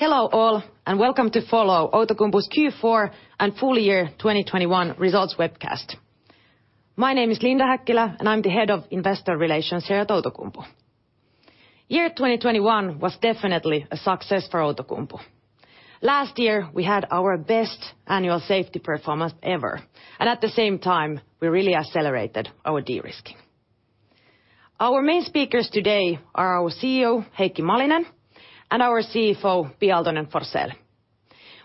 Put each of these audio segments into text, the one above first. Hello all, and welcome to Outokumpu's Q4 and full year 2021 results webcast. My name is Linda Häkkilä, and I'm the Head of Investor Relations here at Outokumpu. Year 2021 was definitely a success for Outokumpu. Last year, we had our best annual safety performance ever, and at the same time, we really accelerated our de-risking. Our main speakers today are our CEO, Heikki Malinen, and our CFO, Pia Aaltonen-Forsell.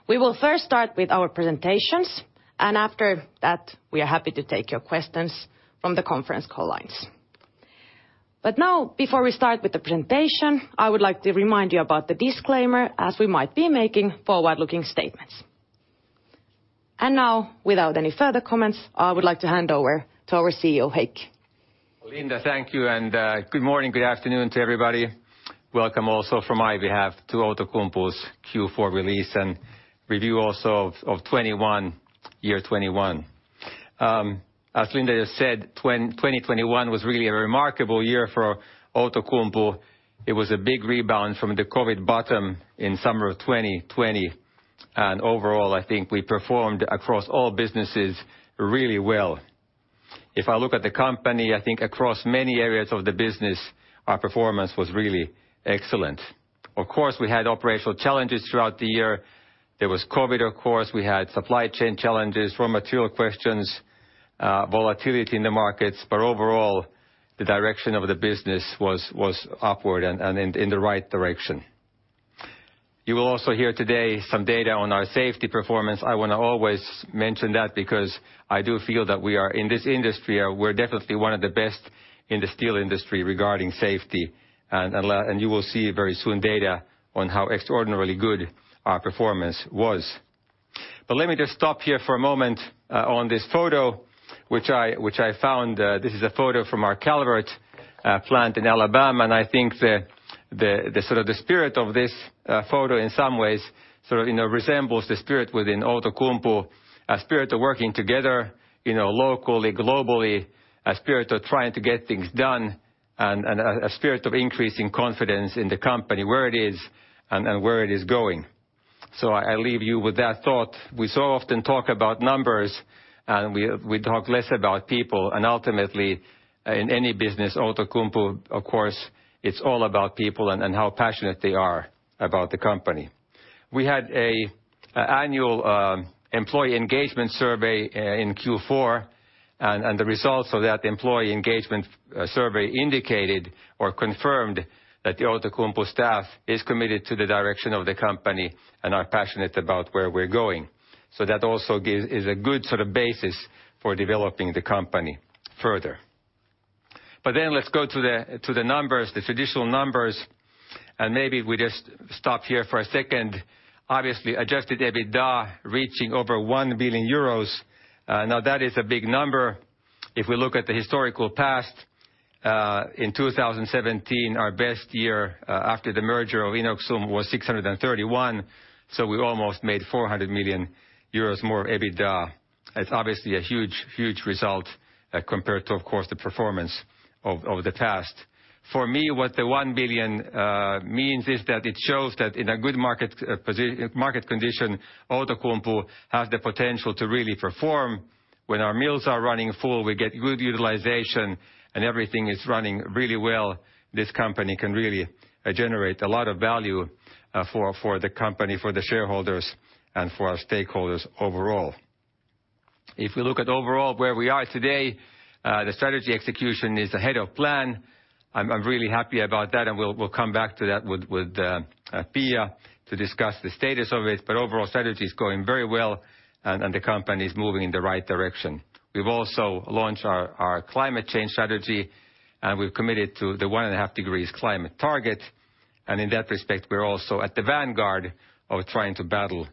We will first start with our presentations, and after that, we are happy to take your questions from the conference call lines. But now, before we start with the presentation, I would like to remind you about the disclaimer as we might be making forward-looking statements. Now, without any further comments, I would like to hand over to our CEO, Heikki. Linda, thank you, and good morning, good afternoon to everybody. Welcome also from my behalf to Outokumpu's Q4 release and review also of 2021, year 2021. As Linda just said, 2021 was really a remarkable year for Outokumpu. It was a big rebound from the COVID bottom in summer of 2020, and overall, I think we performed across all businesses really well. If I look at the company, I think across many areas of the business, our performance was really excellent. Of course, we had operational challenges throughout the year. There was COVID, of course. We had supply chain challenges, raw material questions, volatility in the markets, but overall, the direction of the business was upward and in the right direction. You will also hear today some data on our safety performance. I wanna always mention that because I do feel that we are in this industry, we're definitely one of the best in the steel industry regarding safety and you will see very soon data on how extraordinarily good our performance was. But let me just stop here for a moment on this photo, which I found. This is a photo from our Calvert plant in Alabama, and I think the sort of spirit of this photo in some ways sort of, you know, resembles the spirit within Outokumpu, a spirit of working together, you know, locally, globally, a spirit of trying to get things done and a spirit of increasing confidence in the company, where it is, and where it is going. I leave you with that thought. We so often talk about numbers, and we talk less about people, and ultimately, in any business, Outokumpu, of course, it's all about people and how passionate they are about the company. We had an annual employee engagement survey in Q4, and the results of that employee engagement survey indicated or confirmed that the Outokumpu staff is committed to the direction of the company and are passionate about where we're going. That also is a good sort of basis for developing the company further. Let's go to the numbers, the traditional numbers, and maybe we just stop here for a second. Obviously, adjusted EBITDA reaching over 1 billion euros, now that is a big number. If we look at the historical past, in 2017, our best year, after the merger of Inoxum was 631 million, so we almost made 400 million euros more of EBITDA. It's obviously a huge result compared to, of course, the performance of the past. For me, what one billion means is that it shows that in a good market condition, Outokumpu has the potential to really perform. When our mills are running full, we get good utilization, and everything is running really well. This company can really generate a lot of value for the company, for the shareholders, and for our stakeholders overall. If we look at overall where we are today, the strategy execution is ahead of plan. I'm really happy about that, and we'll come back to that with Pia to discuss the status of it, but overall strategy is going very well, and the company is moving in the right direction. We've also launched our climate change strategy, and we've committed to the 1.5 degrees climate target, and in that respect, we're also at the vanguard of trying to battle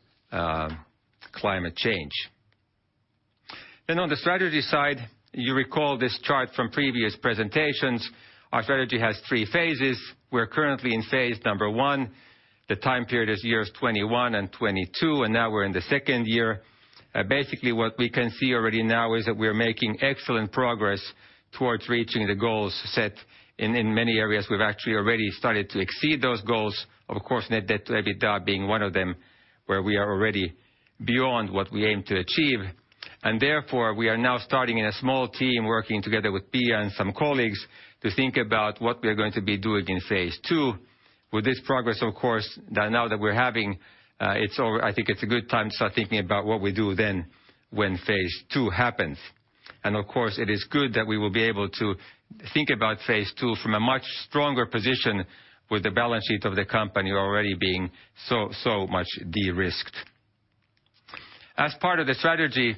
climate change. On the strategy side, you recall this chart from previous presentations. Our strategy has three phases. We're currently in phase number one. The time period is years 21 and 22, and now we're in the second year. Basically what we can see already now is that we are making excellent progress towards reaching the goals set. In many areas, we've actually already started to exceed those goals, of course net debt-to-EBITDA being one of them, where we are already beyond what we aim to achieve. Therefore, we are now starting in a small team working together with Pia and some colleagues to think about what we are going to be doing in phase two. With this progress, of course, that now that we're having, I think it's a good time to start thinking about what we do then when phase two happens. Of course, it is good that we will be able to think about phase two from a much stronger position with the balance sheet of the company already being so much de-risked. As part of the strategy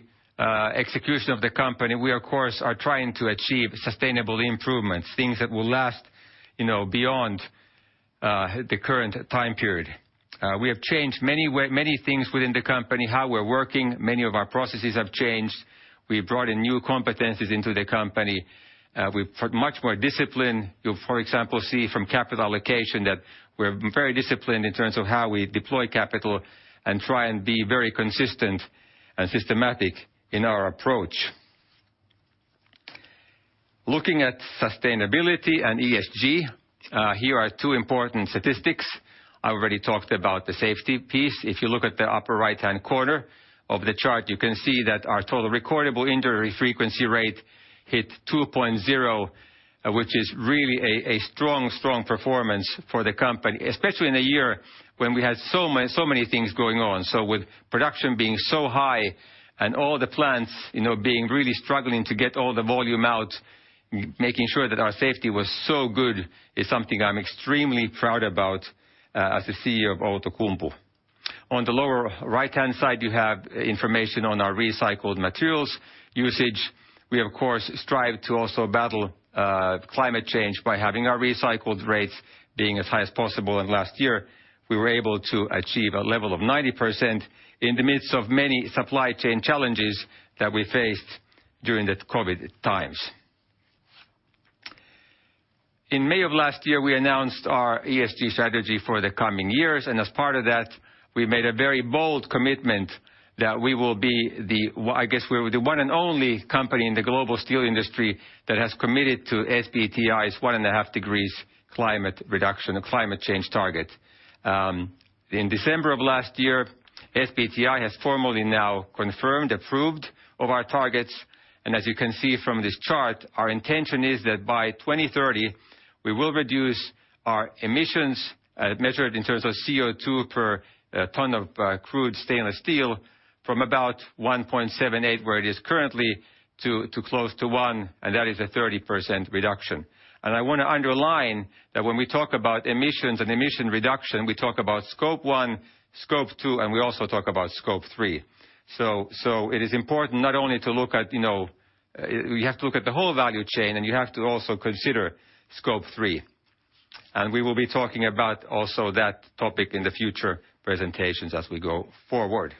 execution of the company, we of course are trying to achieve sustainable improvements, things that will last, you know, beyond the current time period. We have changed many things within the company, how we're working. Many of our processes have changed. We've brought in new competencies into the company. We've put much more discipline. You'll, for example, see from capital allocation that we're very disciplined in terms of how we deploy capital and try and be very consistent and systematic in our approach. Looking at sustainability and ESG, here are two important statistics. I already talked about the safety piece. If you look at the upper right-hand corner of the chart, you can see that our total recordable injury frequency rate hit 2.0, which is really a strong performance for the company, especially in a year when we had so many things going on. With production being so high and all the plants, you know, being really struggling to get all the volume out, making sure that our safety was so good is something I'm extremely proud about as the CEO of Outokumpu. On the lower right-hand side, you have information on our recycled materials usage. We, of course, strive to also battle climate change by having our recycled rates being as high as possible. Last year, we were able to achieve a level of 90% in the midst of many supply chain challenges that we faced during the COVID times. In May of last year, we announced our ESG strategy for the coming years, and as part of that, we made a very bold commitment that we will be the. Well, I guess we're the one and only company in the global steel industry that has committed to SBTI's 1.5 degrees climate reduction, climate change target. In December of last year, SBTI has formally now confirmed, approved of our targets. As you can see from this chart, our intention is that by 2030, we will reduce our emissions, measured in terms of CO2 per ton of crude stainless steel from about 1.78, where it is currently, to close to one, and that is a 30% reduction. I wanna underline that when we talk about emissions and emission reduction, we talk about Scope one, Scope two, and we also talk about Scope three. So it is important not only to look at, you know. You have to look at the whole value chain, and you have to also consider Scope three. We will be talking about also that topic in the future presentations as we go forward.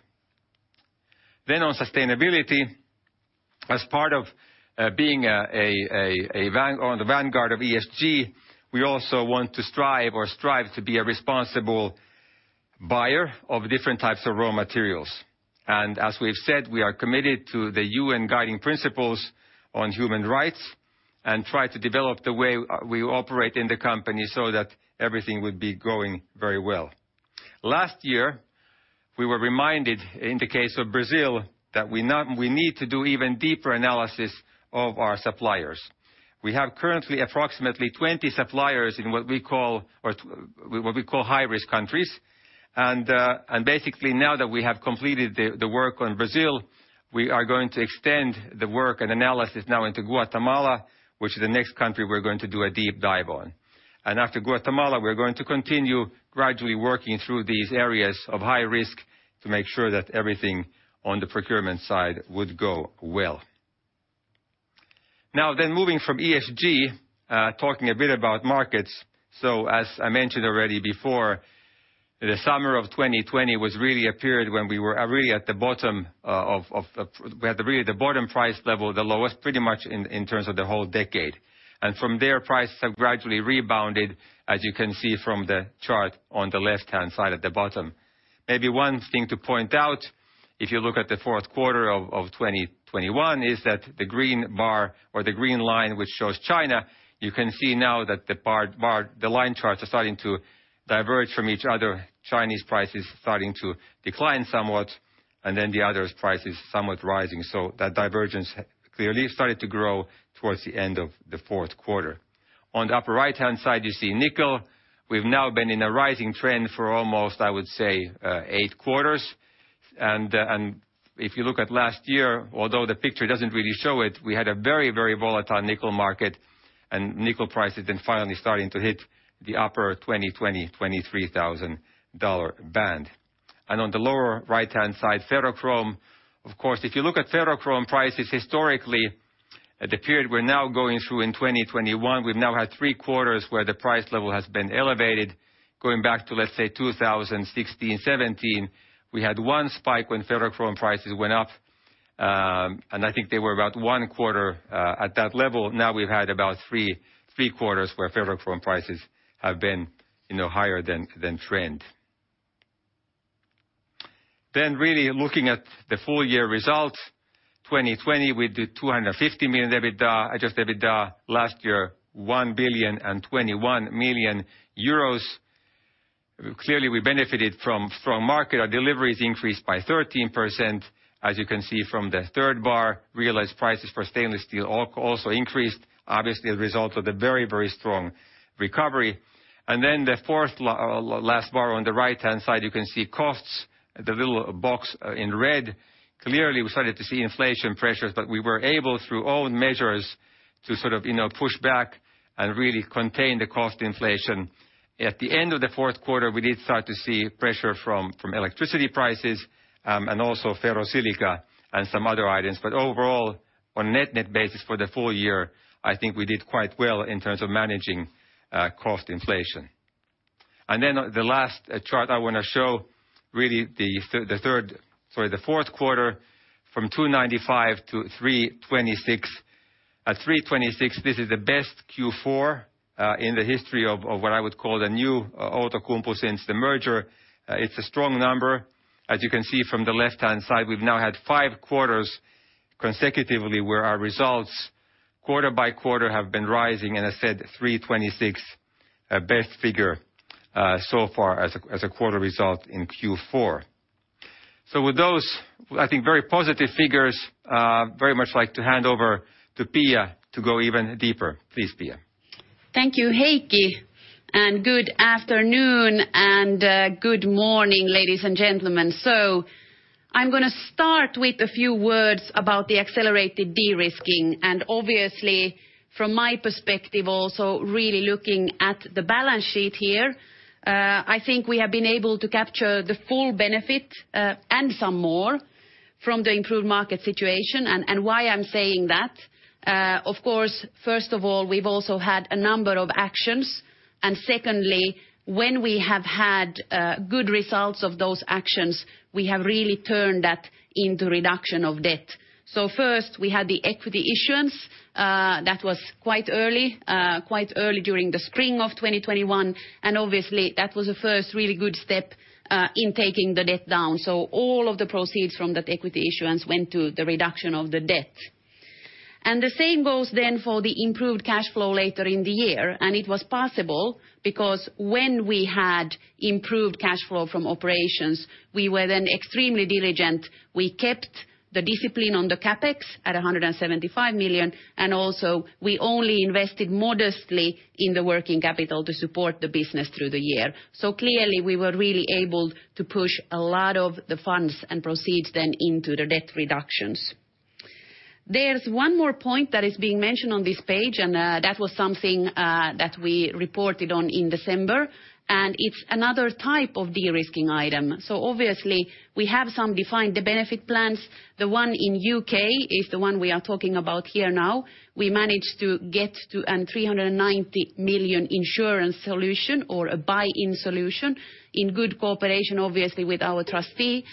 On sustainability, as part of being on the vanguard of ESG, we also want to strive to be a responsible buyer of different types of raw materials. As we've said, we are committed to the UN guiding principles on human rights and try to develop the way we operate in the company so that everything would be going very well. Last year, we were reminded in the case of Brazil that we need to do even deeper analysis of our suppliers. We have currently approximately 20 suppliers in what we call high-risk countries. Basically, now that we have completed the work on Brazil, we are going to extend the work and analysis now into Guatemala, which is the next country we're going to do a deep dive on. After Guatemala, we're going to continue gradually working through these areas of high risk to make sure that everything on the procurement side would go well. Now moving from ESG, talking a bit about markets. As I mentioned already before, the summer of 2020 was really a period when we were really at the bottom of. We had really the bottom price level, the lowest pretty much in terms of the whole decade. From there, prices have gradually rebounded, as you can see from the chart on the left-hand side at the bottom. Maybe one thing to point out, if you look at the fourth quarter of 2021, is that the green bar or the green line, which shows China, you can see now that the bar the line charts are starting to diverge from each other. Chinese prices starting to decline somewhat, and then the other prices somewhat rising. That divergence clearly started to grow towards the end of the fourth quarter. On the upper right-hand side, you see nickel. We've now been in a rising trend for almost, I would say, eight quarters. If you look at last year, although the picture doesn't really show it, we had a very, very volatile nickel market and nickel prices then finally starting to hit the upper 20,000-$23,000 band. On the lower right-hand side, ferrochrome. Of course, if you look at ferrochrome prices historically, at the period we're now going through in 2021, we've now had three quarters where the price level has been elevated. Going back to, let's say, 2016, 2017, we had one spike when ferrochrome prices went up. I think they were about one quarter at that level. Now we've had about three quarters where ferrochrome prices have been, you know, higher than trend. Really looking at the full year results, 2020, we did 250 million EBITDA, adjusted EBITDA. Last year, 1,021 million euros. Clearly, we benefited from strong market. Our deliveries increased by 13%, as you can see from the third bar. Realized prices for stainless steel also increased, obviously a result of the very, very strong recovery. The fourth last bar on the right-hand side, you can see costs, the little box in red. Clearly, we started to see inflation pressures, but we were able, through our own measures, to sort of, you know, push back and really contain the cost inflation. At the end of the fourth quarter, we did start to see pressure from electricity prices, and also ferrosilicon and some other items. Overall, on net-net basis for the full year, I think we did quite well in terms of managing cost inflation. The last chart I wanna show, really the fourth quarter from 295-326. At 326, this is the best Q4 in the history of what I would call the new Outokumpu since the merger. It's a strong number. As you can see from the left-hand side, we've now had five quarters consecutively where our results quarter by quarter have been rising, and I said 326, best figure so far as a quarter result in Q4. With those, I think very positive figures, I'd very much like to hand over to Pia Aaltonen-Forsellto go even deeper. Please, Pia Aaltonen-Forsell. Thank you, Heikki. Good afternoon and good morning, ladies and gentlemen. I'm gonna start with a few words about the accelerated de-risking. Obviously, from my perspective also really looking at the balance sheet here, I think we have been able to capture the full benefit, and some more from the improved market situation. Why I'm saying that, of course, first of all, we've also had a number of actions, and secondly, when we have had good results of those actions, we have really turned that into reduction of debt. First, we had the equity issuance, that was quite early during the spring of 2021, and obviously that was the first really good step in taking the debt down. All of the proceeds from that equity issuance went to the reduction of the debt. The same goes then for the improved cash flow later in the year. It was possible because when we had improved cash flow from operations, we were then extremely diligent. We kept the discipline on the CapEx at 175 million, and also we only invested modestly in the working capital to support the business through the year. Clearly, we were really able to push a lot of the funds and proceeds then into the debt reductions. There's one more point that is being mentioned on this page, and that was something that we reported on in December, and it's another type of de-risking item. Obviously, we have some defined benefit plans. The one in U.K. is the one we are talking about here now. We managed to get to a 390 million insurance solution or a buy-in solution in good cooperation, obviously, with our trustee.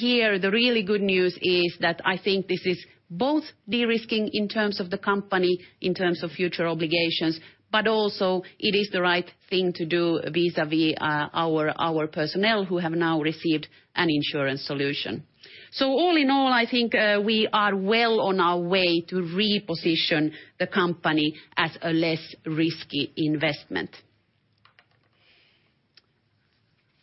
Here, the really good news is that I think this is both de-risking in terms of the company, in terms of future obligations, but also it is the right thing to do vis-à-vis our personnel who have now received an insurance solution. All in all, I think we are well on our way to reposition the company as a less risky investment.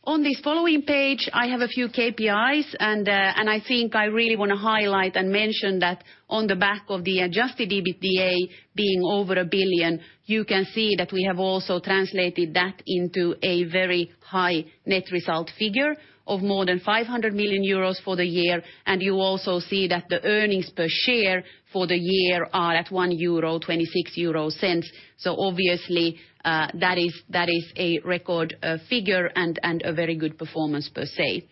On the following page, I have a few KPIs, and I think I really wanna highlight and mention that on the back of the adjusted EBITDA being over one billion, you can see that we have also translated that into a very high net result figure of more than 500 million euros for the year. You also see that the earnings per share for the year are at 1.26 euro. Obviously, that is a record figure and a very good performance per se.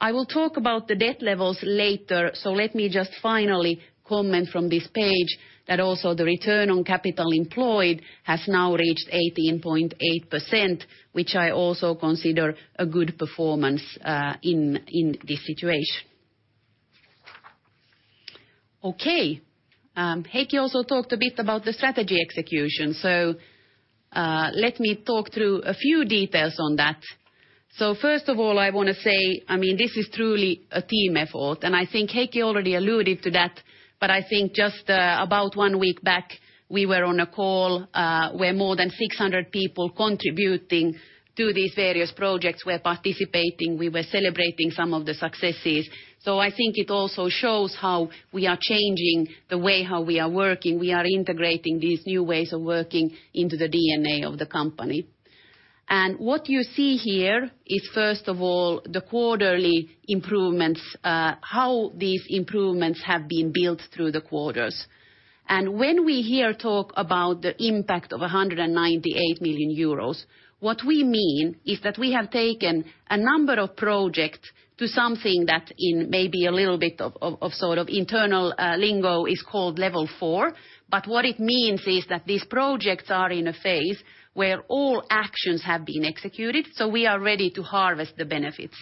I will talk about the debt levels later, let me just finally comment from this page that also the Return on Capital Employed has now reached 18.8%, which I also consider a good performance in this situation. Heikki also talked a bit about the strategy execution, let me talk through a few details on that. First of all, I wanna say, I mean, this is truly a team effort, and I think Heikki already alluded to that. I think just about one week back, we were on a call where more than 600 people contributing to these various projects were participating. We were celebrating some of the successes. I think it also shows how we are changing the way how we are working. We are integrating these new ways of working into the DNA of the company. What you see here is, first of all, the quarterly improvements, how these improvements have been built through the quarters. When we here talk about the impact of 198 million euros, what we mean is that we have taken a number of projects to something that in maybe a little bit of of sort of internal lingo is called level four. What it means is that these projects are in a phase where all actions have been executed, so we are ready to harvest the benefits.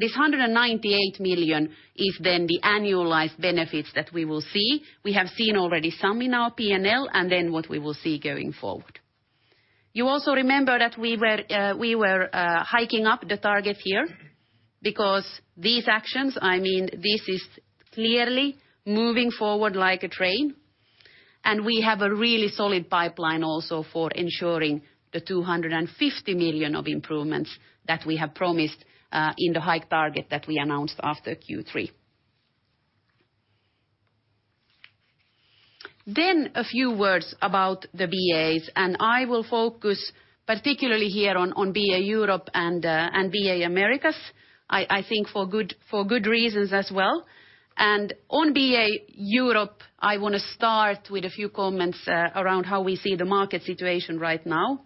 This 198 million is then the annualized benefits that we will see. We have seen already some in our P&L, and then what we will see going forward. You also remember that we were hiking up the target here because these actions, I mean this is clearly moving forward like a train, and we have a really solid pipeline also for ensuring the 250 million of improvements that we have promised in the hike target that we announced after Q3. A few words about the BAs, and I will focus particularly here on BA Europe and BA Americas, I think for good reasons as well. On BA Europe, I wanna start with a few comments around how we see the market situation right now.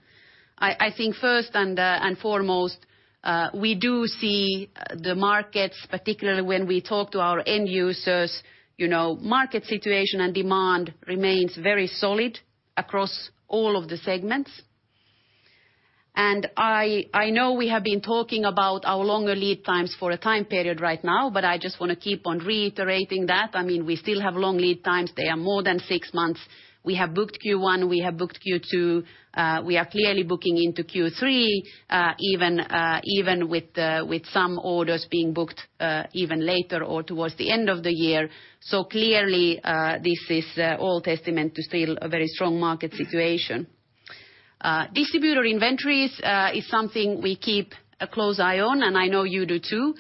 I think first and foremost, we do see the markets, particularly when we talk to our end users, you know, market situation and demand remains very solid across all of the segments. I know we have been talking about our longer lead times for a time period right now, but I just wanna keep on reiterating that. I mean, we still have long lead times. They are more than six months. We have booked Q1, we have booked Q2, we are clearly booking into Q3, even with some orders being booked even later or towards the end of the year. Clearly, this is all testament to still a very strong market situation. Distributor inventories is something we keep a close eye on, and I know you do too.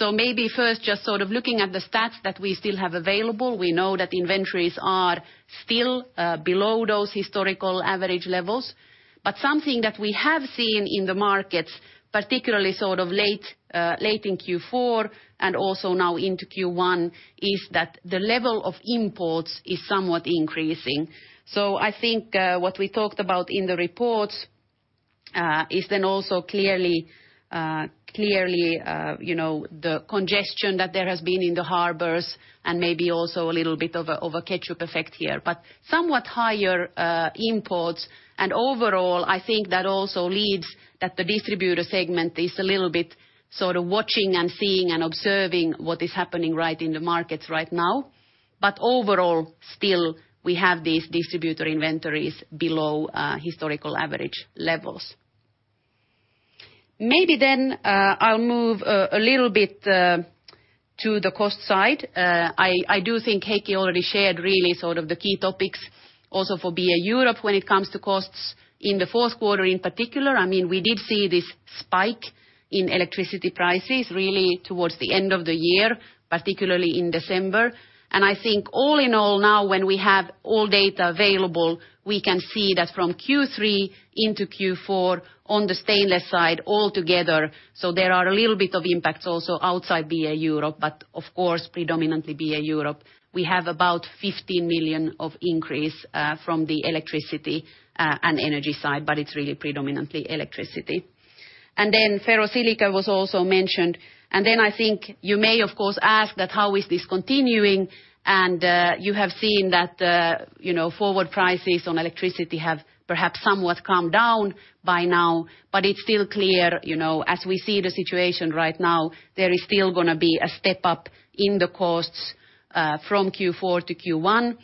Maybe first just sort of looking at the stats that we still have available, we know that inventories are still below those historical average levels. Something that we have seen in the markets, particularly sort of late in Q4 and also now into Q1, is that the level of imports is somewhat increasing. I think what we talked about in the reports is then also clearly you know, the congestion that there has been in the harbors and maybe also a little bit of a catch-up effect here. Somewhat higher imports, and overall, I think that also leads that the distributor segment is a little bit sort of watching and seeing and observing what is happening right in the markets right now. Overall, still, we have these distributor inventories below historical average levels. Maybe then, I'll move a little bit to the cost side. I do think Heikki already shared really sort of the key topics also for BA Europe when it comes to costs in the fourth quarter in particular. I mean, we did see this spike in electricity prices really towards the end of the year, particularly in December. I think all in all now, when we have all data available, we can see that from Q3 into Q4 on the stainless side altogether, so there are a little bit of impacts also outside BA Europe, but of course, predominantly BA Europe. We have about 15 million of increase from the electricity and energy side, but it's really predominantly electricity. Then ferrosilicon was also mentioned. Then I think you may, of course, ask that how is this continuing, and you have seen that, you know, forward prices on electricity have perhaps somewhat come down by now. But it's still clear, you know, as we see the situation right now, there is still gonna be a step up in the costs from Q4 to Q1.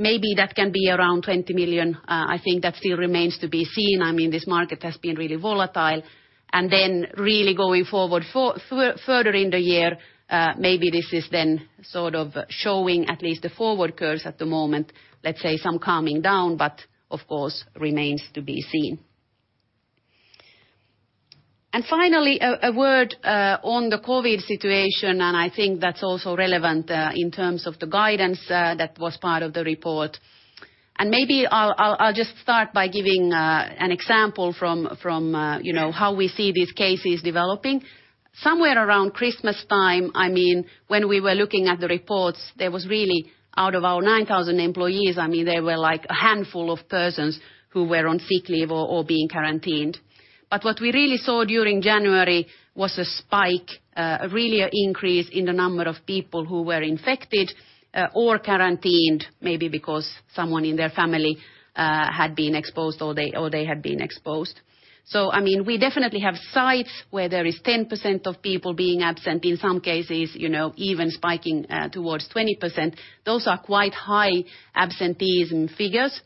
Maybe that can be around 20 million. I think that still remains to be seen. I mean, this market has been really volatile. Then really going forward further in the year, maybe this is then sort of showing at least the forward curves at the moment, let's say some calming down, but of course remains to be seen. Finally, a word on the COVID situation, and I think that's also relevant in terms of the guidance that was part of the report. Maybe I'll just start by giving an example from you know, how we see these cases developing. Somewhere around Christmastime, I mean, when we were looking at the reports, there was really out of our 9,000 employees, I mean, there were like a handful of persons who were on sick leave or being quarantined. What we really saw during January was a spike, really an increase in the number of people who were infected or quarantined, maybe because someone in their family had been exposed or they had been exposed. I mean, we definitely have sites where there is 10% of people being absent, in some cases, you know, even spiking towards 20%. Those are quite high absenteeism figures,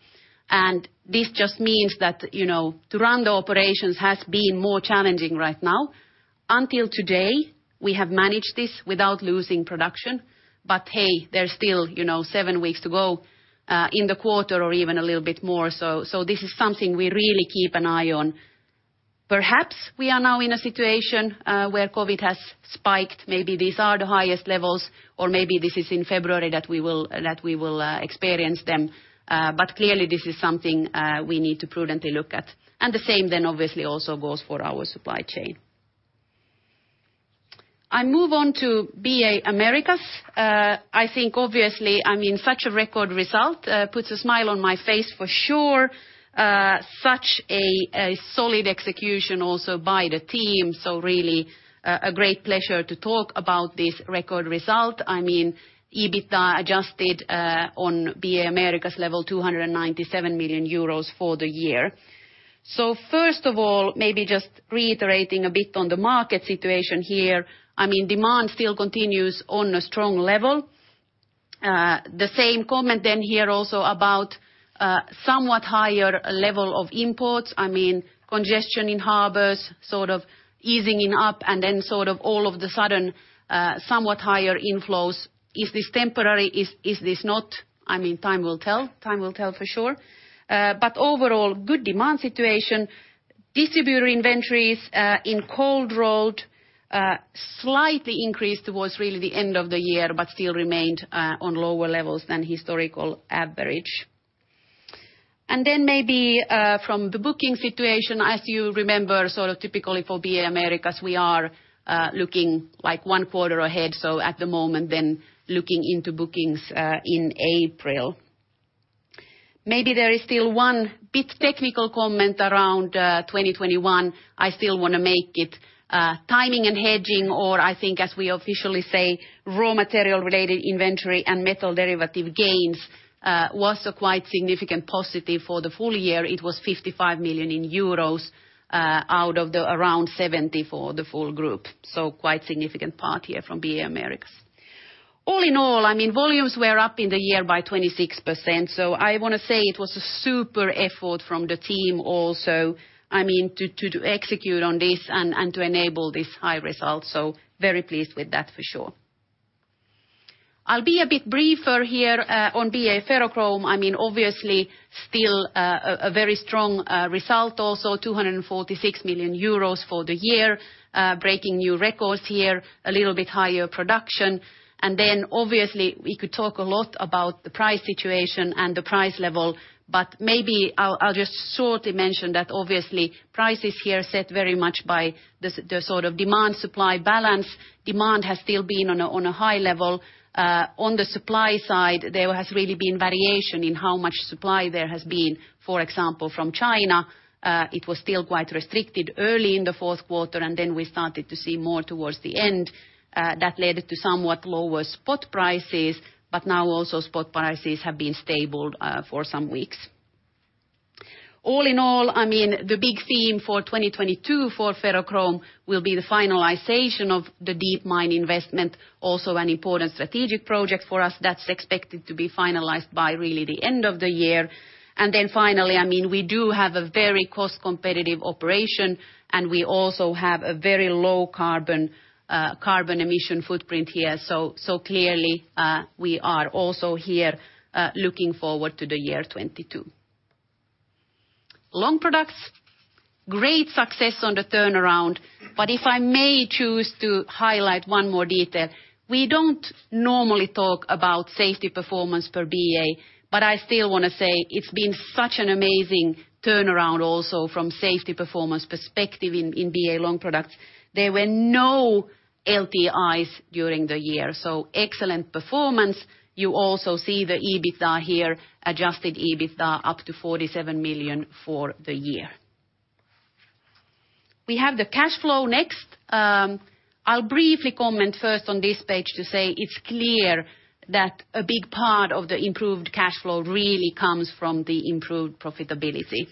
and this just means that, you know, to run the operations has been more challenging right now. Until today, we have managed this without losing production. Hey, there's still, you know, seven weeks to go in the quarter or even a little bit more, so this is something we really keep an eye on. Perhaps we are now in a situation where COVID has spiked, maybe these are the highest levels, or maybe this is in February that we will experience them. But clearly this is something we need to prudently look at. The same then obviously also goes for our supply chain. I move on to BA Americas. I think obviously, I mean, such a record result puts a smile on my face for sure. Such a solid execution also by the team, so really a great pleasure to talk about this record result. I mean, EBITDA adjusted on BA Americas level, 297 million for the year. First of all, maybe just reiterating a bit on the market situation here, I mean, demand still continues on a strong level. The same comment then here also about somewhat higher level of imports. I mean, congestion in harbors sort of easing up and then sort of all of a sudden, somewhat higher inflows. Is this temporary? Is this not? I mean, time will tell. Time will tell for sure. Overall, good demand situation. Distributor inventories in cold rolled slightly increased towards really the end of the year, but still remained on lower levels than historical average. Maybe from the booking situation, as you remember, sort of typically for BA Americas, we are looking like one quarter ahead, so at the moment then looking into bookings in April. Maybe there is still one bit technical comment around 2021. I still want to make it, timing and hedging, or I think as we officially say, raw material related inventory and metal derivative gains, was a quite significant positive for the full year. It was 55 million euros out of around 70 for the full group. So quite significant part here from Business Area Americas. All in all, I mean, volumes were up in the year by 26%, so I wanna say it was a super effort from the team also, I mean, to execute on this and to enable this high result. So very pleased with that for sure. I'll be a bit briefer here on Business Area Ferrochrome. I mean, obviously still a very strong result also, 246 million euros for the year, breaking new records here, a little bit higher production. Then obviously we could talk a lot about the price situation and the price level, but maybe I'll just shortly mention that obviously price is here set very much by the sort of demand supply balance. Demand has still been on a high level. On the supply side, there has really been variation in how much supply there has been, for example, from China. It was still quite restricted early in the fourth quarter, and then we started to see more towards the end, that led to somewhat lower spot prices. But now spot prices have been stable for some weeks. All in all, I mean, the big theme for 2022 for Ferrochrome will be the finalization of the Deep Mine investment, also an important strategic project for us that's expected to be finalized by really the end of the year. Finally, I mean, we do have a very cost competitive operation, and we also have a very low carbon emission footprint here. Clearly, we are also here looking forward to the year 2022. Long Products, great success on the turnaround, but if I may choose to highlight one more detail, we don't normally talk about safety performance per BA, but I still wanna say it's been such an amazing turnaround also from safety performance perspective in BA Long Products. There were no LTIs during the year, so excellent performance. You also see the EBITDA here, adjusted EBITDA up to 47 million for the year. We have the cash flow next. I'll briefly comment first on this page to say it's clear that a big part of the improved cash flow really comes from the improved profitability.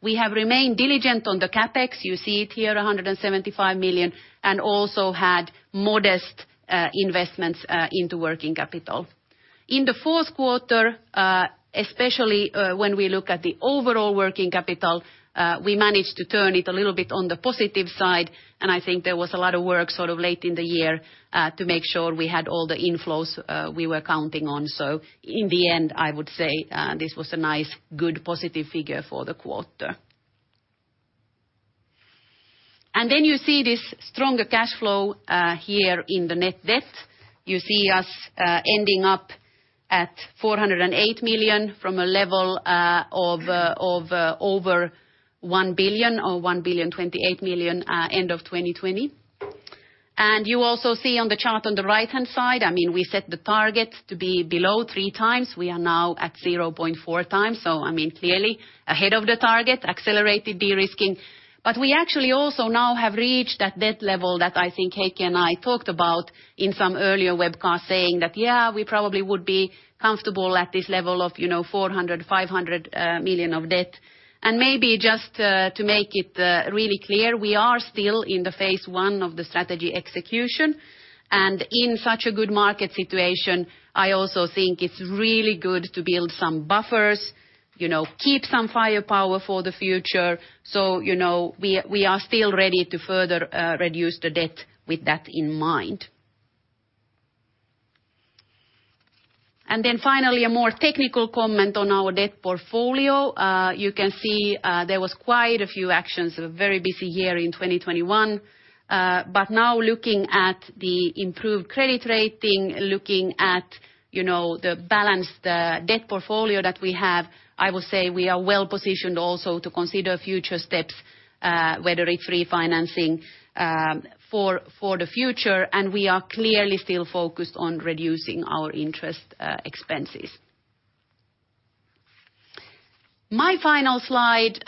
We have remained diligent on the CapEx, you see it here, 175 million, and also had modest investments into working capital. In the fourth quarter, especially, when we look at the overall working capital, we managed to turn it a little bit on the positive side, and I think there was a lot of work sort of late in the year to make sure we had all the inflows we were counting on. In the end, I would say this was a nice, good positive figure for the quarter. You see this stronger cash flow here in the net debt. You see us ending up at 408 million from a level of over one billion or 1,028 million end of 2020. You also see on the chart on the right-hand side, I mean, we set the target to be below three times. We are now at 0.4 times. I mean, clearly ahead of the target, accelerated de-risking. We actually also now have reached that debt level that I think Heikki and I talked about in some earlier webcast saying that, yeah, we probably would be comfortable at this level of, you know, 400 million-500 million of debt. Maybe just to make it really clear, we are still in the phase one of the strategy execution. In such a good market situation, I also think it's really good to build some buffers, you know, keep some firepower for the future. You know, we are still ready to further reduce the debt with that in mind. Finally, a more technical comment on our debt portfolio. You can see, there was quite a few actions, a very busy year in 2021. Now looking at the improved credit rating, looking at, you know, the balanced debt portfolio that we have, I will say we are well-positioned also to consider future steps, whether it's refinancing, for the future. We are clearly still focused on reducing our interest expenses. My final slide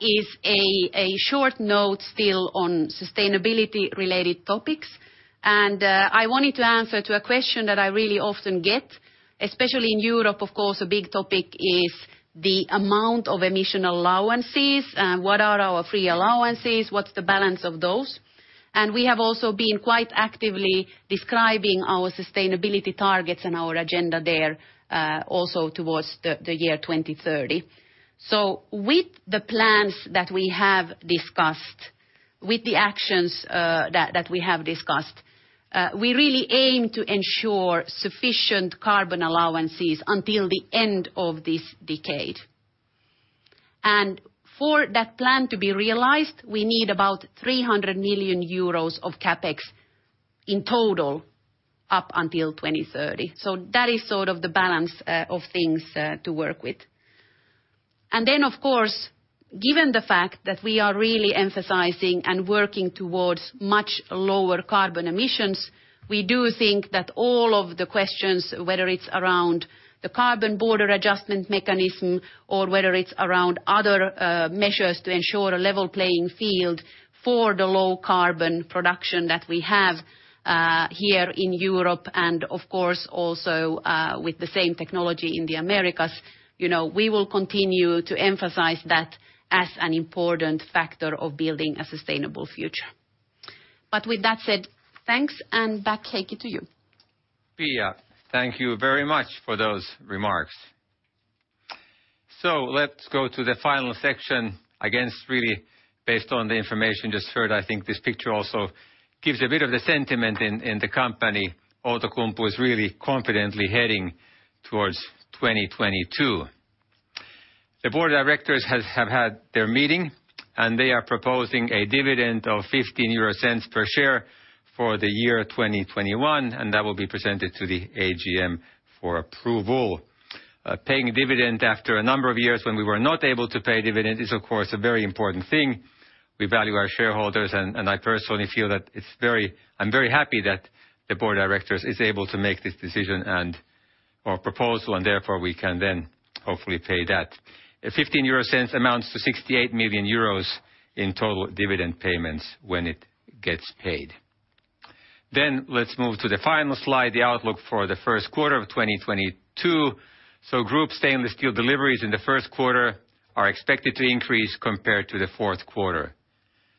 is a short note still on sustainability related topics. I wanted to answer to a question that I really often get, especially in Europe, of course, a big topic is the amount of emission allowances, what are our free allowances, what's the balance of those. We have also been quite actively describing our sustainability targets and our agenda there, also towards the year 2030. With the plans that we have discussed, with the actions that we have discussed, we really aim to ensure sufficient carbon allowances until the end of this decade. For that plan to be realized, we need about 300 million euros of CapEx in total up until 2030. That is sort of the balance of things to work with. Then, of course, given the fact that we are really emphasizing and working towards much lower carbon emissions, we do think that all of the questions, whether it's around the Carbon Border Adjustment Mechanism or whether it's around other measures to ensure a level playing field for the low carbon production that we have here in Europe and of course also with the same technology in the Americas. You know, we will continue to emphasize that as an important factor of building a sustainable future. With that said, thanks, and back to Heikki. Pia, thank you very much for those remarks. Let's go to the final section. Again, it's really based on the information just heard. I think this picture also gives a bit of the sentiment in the company. Outokumpu is really confidently heading towards 2022. The board of directors have had their meeting, and they are proposing a dividend of 0.15 per share for the year 2021, and that will be presented to the AGM for approval. Paying dividend after a number of years when we were not able to pay dividend is of course a very important thing. We value our shareholders, and I personally feel that I'm very happy that the board of directors is able to make this decision or proposal and therefore we can then hopefully pay that. 15 euro cents amounts to 68 million euros in total dividend payments when it gets paid. Let's move to the final slide, the outlook for the first quarter of 2022. Group stainless steel deliveries in the first quarter are expected to increase compared to the fourth quarter.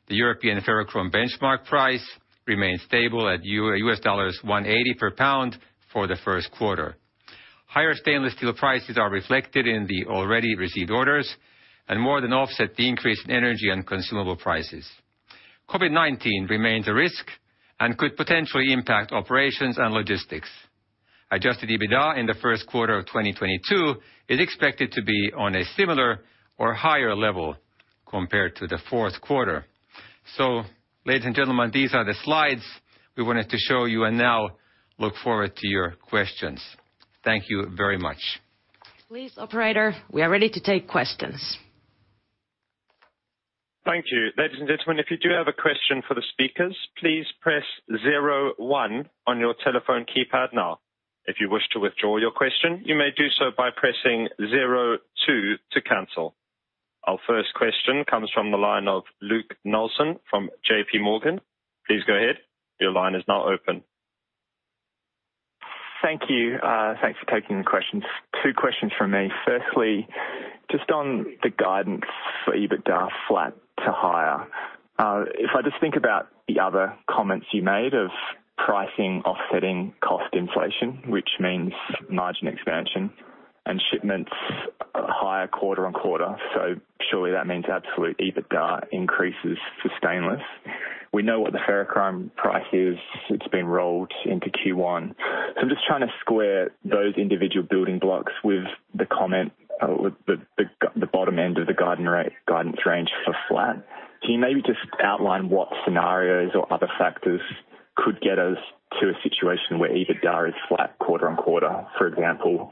The European ferrochrome benchmark price remains stable at $180 per pound for the first quarter. Higher stainless steel prices are reflected in the already received orders and more than offset the increase in energy and consumable prices. COVID-19 remains a risk and could potentially impact operations and logistics. Adjusted EBITDA in the first quarter of 2022 is expected to be on a similar or higher level compared to the fourth quarter. Ladies and gentlemen, these are the slides we wanted to show you and now look forward to your questions. Thank you very much. Please, operator, we are ready to take questions. Thank you. Ladies and gentlemen, if you do have a question for the speakers, please press 01 on your telephone keypad now. If you wish to withdraw your question, you may do so by pressing 02 to cancel. Our first question comes from the line of Luke Nelson from J.P. Morgan. Please go ahead. Your line is now open. Thank you. Thanks for taking the questions. Two questions from me. Firstly, just on the guidance for EBITDA flat to higher. If I just think about the other comments you made of pricing offsetting cost inflation, which means margin expansion and shipments are higher quarter on quarter. Surely that means absolute EBITDA increases for stainless. We know what the ferrochrome price is. It's been rolled into Q1. I'm just trying to square those individual building blocks with the comment, with the bottom end of the guidance range for flat. Can you maybe just outline what scenarios or other factors could get us to a situation where EBITDA is flat quarter on quarter? For example,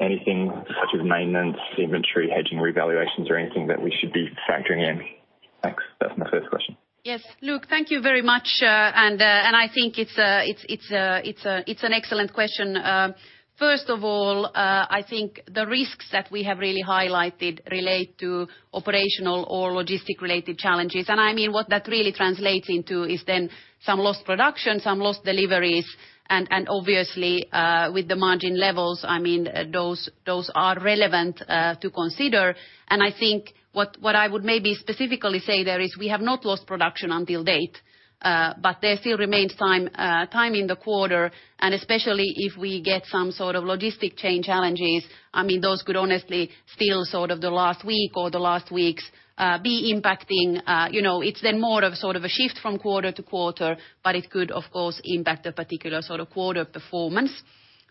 anything such as maintenance, inventory, hedging, revaluations, or anything that we should be factoring in? Thanks. That's my first question. Yes. Luke, thank you very much. I think it's an excellent question. First of all, I think the risks that we have really highlighted relate to operational or logistic related challenges. I mean, what that really translates into is then some lost production, some lost deliveries, and obviously, with the margin levels, I mean, those are relevant to consider. I think what I would maybe specifically say there is we have not lost production to date, but there still remains time in the quarter, and especially if we get some sort of logistic chain challenges, I mean, those could honestly still sort of the last week or the last weeks be impacting. You know, it's then more of sort of a shift from quarter to quarter, but it could of course impact a particular sort of quarter performance.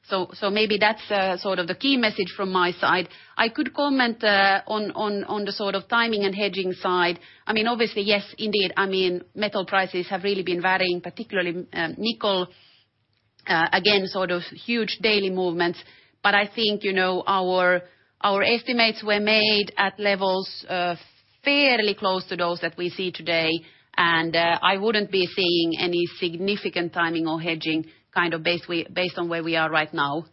So maybe that's sort of the key message from my side. I could comment on the sort of timing and hedging side. I mean, obviously, yes, indeed. I mean, metal prices have really been varying, particularly nickel, again, sort of huge daily movements. But I think, you know, our estimates were made at levels fairly close to those that we see today. I wouldn't be seeing any significant timing or hedging kind of based on where we are right now.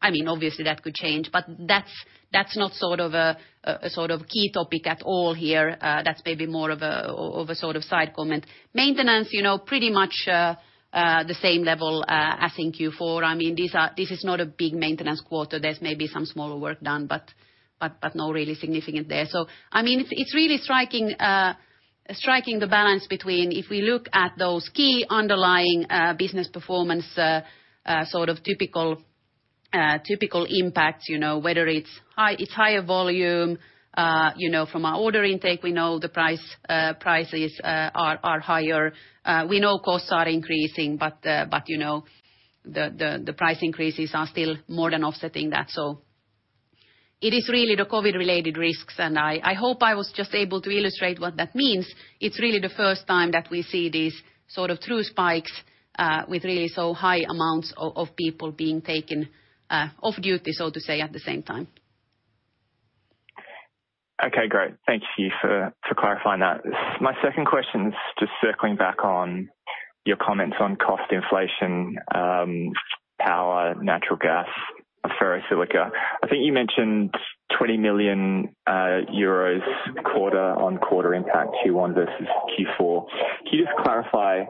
I mean, obviously that could change, but that's not sort of a key topic at all here. That's maybe more of a sort of side comment. Maintenance, you know, pretty much the same level as in Q4. I mean, this is not a big maintenance quarter. There's maybe some smaller work done, but no really significant there. I mean, it's really striking the balance between if we look at those key underlying business performance sort of typical impacts, you know, whether it's higher volume, you know, from our order intake, we know the prices are higher. We know costs are increasing, but, you know, the price increases are still more than offsetting that. It is really the COVID-related risks, and I hope I was just able to illustrate what that means. It's really the first time that we see these sort of true spikes with really so high amounts of people being taken off duty, so to say, at the same time. Okay, great. Thank you for clarifying that. My second question is just circling back on your comments on cost inflation, power, natural gas, ferrosilicon. I think you mentioned 20 million euros quarter on quarter impact Q1 versus Q4. Can you just clarify,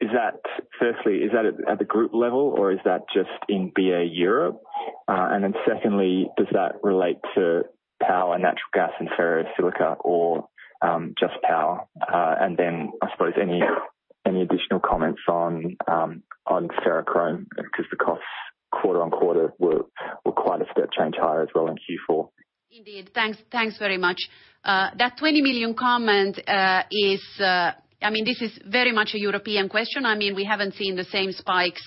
is that firstly, is that at the group level or is that just in BA Europe? And then secondly, does that relate to power, natural gas and ferrosilicon or just power? And then I suppose any additional comments on ferrochrome because the costs quarter on quarter were quite a step change higher as well in Q4. Indeed. Thanks very much. That 20 million comment, I mean, this is very much a European question. I mean, we haven't seen the same spikes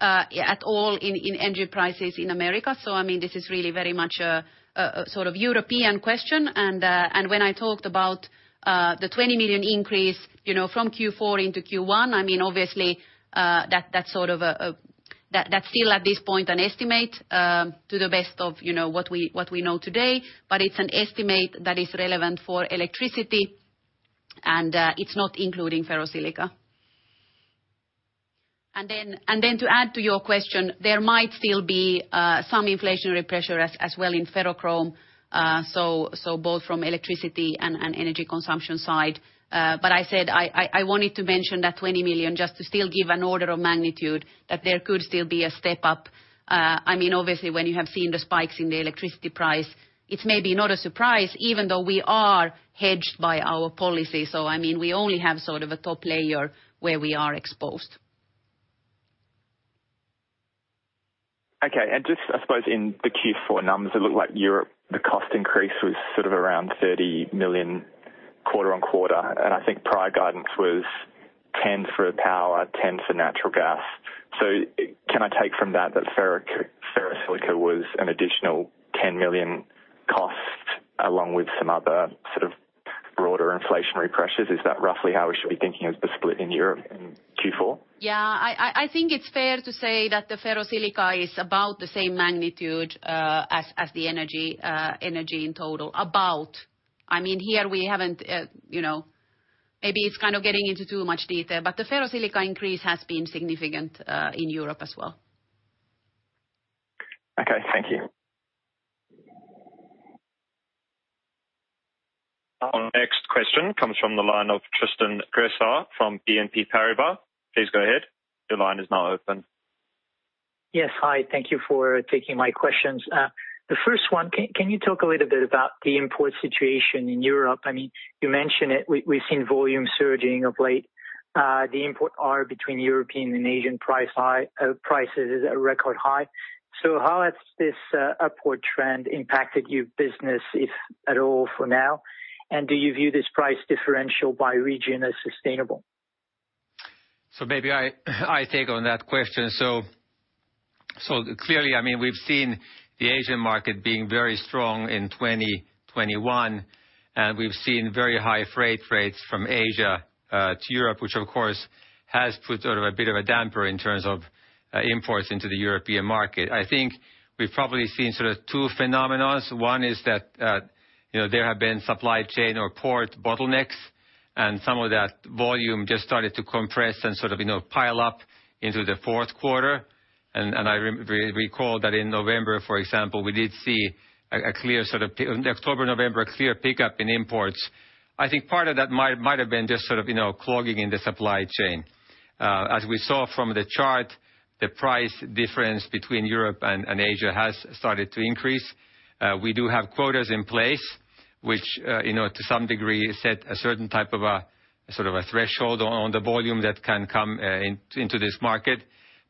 at all in energy prices in America. I mean, this is really very much a sort of European question. When I talked about the 20 million increase, you know, from Q4 into Q1, I mean, obviously, that's sort of a, that's still at this point an estimate, to the best of, you know, what we know today. It's an estimate that is relevant for electricity and it's not including ferrosilicon. To add to your question, there might still be some inflationary pressure as well in ferrochrome. Both from electricity and energy consumption side. I said I wanted to mention that 20 million just to still give an order of magnitude that there could still be a step up. I mean, obviously when you have seen the spikes in the electricity price, it's maybe not a surprise even though we are hedged by our policy. I mean, we only have sort of a top layer where we are exposed. Okay. Just I suppose in the Q4 numbers, it looked like Europe, the cost increase was sort of around 30 million quarter-over-quarter, and I think prior guidance was 10 for power, 10 for natural gas. Can I take from that ferro, ferrosilicon was an additional 10 million cost along with some other sort of broader inflationary pressures? Is that roughly how we should be thinking of the split in Europe in Q4? Yeah, I think it's fair to say that the ferrosilicon is about the same magnitude as the energy in total. About. I mean, here we haven't, you know, maybe it's kind of getting into too much detail, but the ferrosilicon increase has been significant in Europe as well. Okay. Thank you. Our next question comes from the line of Tristan Gresser from BNP Paribas. Please go ahead. Your line is now open. Yes. Hi. Thank you for taking my questions. The first one, can you talk a little bit about the import situation in Europe? I mean, you mentioned it, we've seen volume surging of late. The import spread between European and Asian prices is at record high. How has this upward trend impacted your business, if at all for now? Do you view this price differential by region as sustainable? Maybe I take on that question. Clearly, I mean, we've seen the Asian market being very strong in 2021, and we've seen very high freight rates from Asia to Europe, which of course has put sort of a bit of a damper in terms of imports into the European market. I think we've probably seen sort of two phenomena. One is that, you know, there have been supply chain or port bottlenecks and some of that volume just started to compress and sort of, you know, pile up into the fourth quarter. I recall that in November for example, we did see a clear sort of pick-up in October, November, a clear pickup in imports. I think part of that might have been just sort of, you know, clogging in the supply chain. As we saw from the chart, the price difference between Europe and Asia has started to increase. We do have quotas in place which, you know, to some degree set a certain type of a, sort of a threshold on the volume that can come into this market.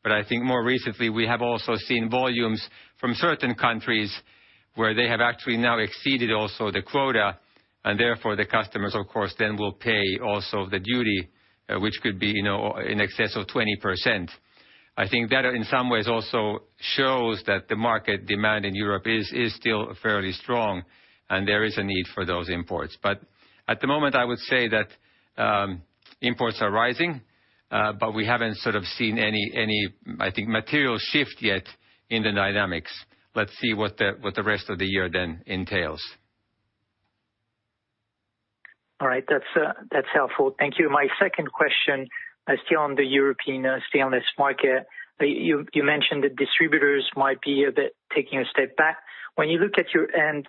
I think more recently we have also seen volumes from certain countries where they have actually now exceeded also the quota and therefore the customers of course then will pay also the duty, which could be, you know, in excess of 20%. I think that in some ways also shows that the market demand in Europe is still fairly strong and there is a need for those imports. At the moment I would say that imports are rising, but we haven't sort of seen any I think material shift yet in the dynamics. Let's see what the rest of the year then entails. All right. That's helpful. Thank you. My second question is still on the European stainless market. You mentioned the distributors might be a bit taking a step back. When you look at your end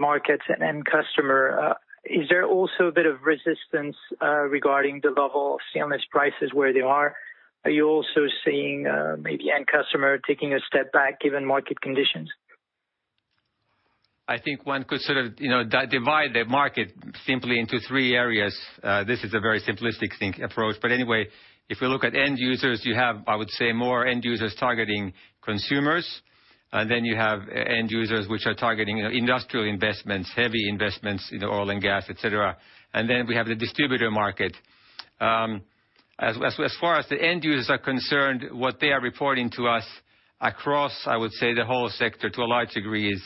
markets and end customer, is there also a bit of resistance regarding the level of stainless prices where they are? Are you also seeing maybe end customer taking a step back given market conditions? I think one could sort of, you know, divide the market simply into three areas. This is a very simplistic thinking approach, but anyway, if we look at end users, you have, I would say more end users targeting consumers. Then you have end users which are targeting industrial investments, heavy investments in oil and gas, et cetera. Then we have the distributor market. As far as the end users are concerned, what they are reporting to us across, I would say the whole sector to a large degree is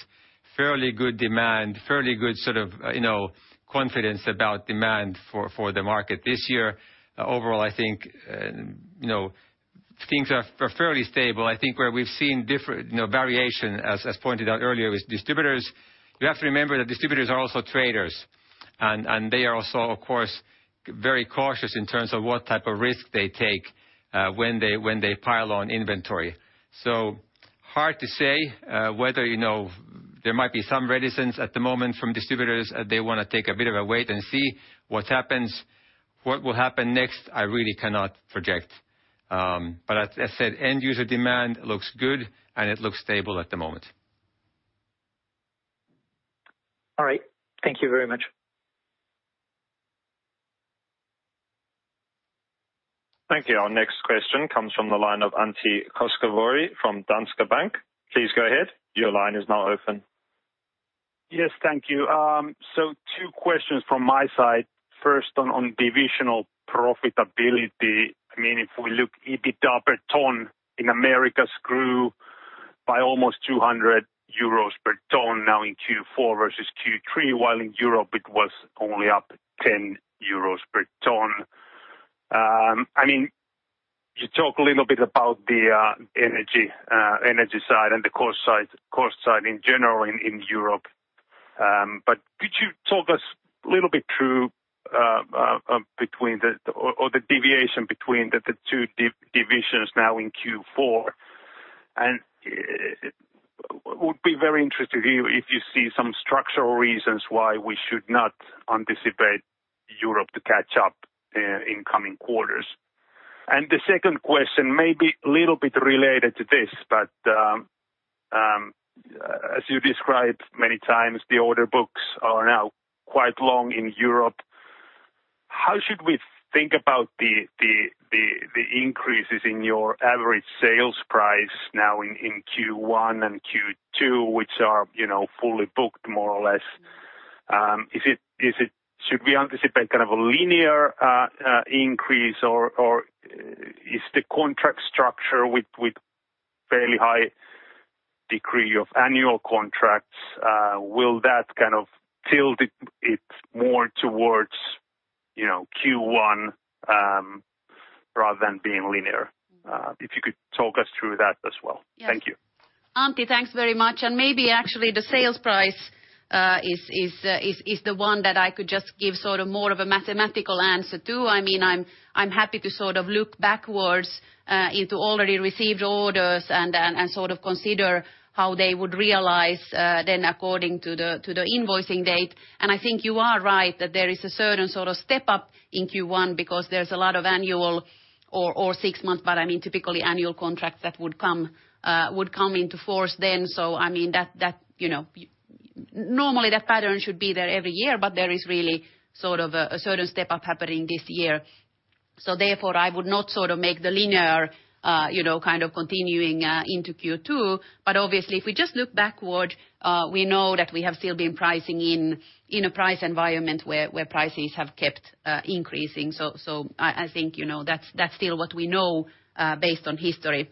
fairly good demand, fairly good sort of, you know, confidence about demand for the market this year. Overall I think things are fairly stable. I think where we've seen different, you know, variation, as pointed out earlier, is distributors. You have to remember that distributors are also traders and they are also, of course, very cautious in terms of what type of risk they take, when they pile on inventory. Hard to say, whether, you know, there might be some reticence at the moment from distributors. They wanna take a bit of a wait and see what happens. What will happen next, I really cannot project. As I said, end user demand looks good, and it looks stable at the moment. All right. Thank you very much. Thank you. Our next question comes from the line of Antti Koskivuori from Danske Bank. Please go ahead. Your line is now open. Yes, thank you. So two questions from my side. First, on divisional profitability. I mean, if we look at EBITDA per ton, in Americas grew by almost 200 euros per ton now in Q4 versus Q3, while in Europe it was only up 10 euros per ton. I mean, you talk a little bit about the energy side and the cost side in general in Europe. But could you talk us a little bit through the deviation between the two divisions now in Q4? It would be very interesting to hear if you see some structural reasons why we should not anticipate Europe to catch up in coming quarters. The second question may be a little bit related to this, but as you described many times, the order books are now quite long in Europe. How should we think about the increases in your average sales price now in Q1 and Q2, which are, you know, fully booked more or less? Is it should we anticipate kind of a linear increase, or is the contract structure with fairly high degree of annual contracts will that kind of tilt it more towards, you know, Q1 rather than being linear? If you could talk us through that as well. Yes. Thank you. Antti, thanks very much, and maybe actually the sales price is the one that I could just give sort of more of a mathematical answer to. I mean, I'm happy to sort of look backwards into already received orders and sort of consider how they would realize then according to the invoicing date. I think you are right that there is a certain sort of step up in Q1 because there's a lot of annual or six months, but I mean, typically annual contracts that would come into force then. I mean that, you know, normally that pattern should be there every year, but there is really sort of a certain step up happening this year. Therefore, I would not sort of make the linear, you know, kind of continuing, into Q2. Obviously if we just look backward, we know that we have still been pricing in a price environment where prices have kept increasing. I think, you know, that's still what we know, based on history.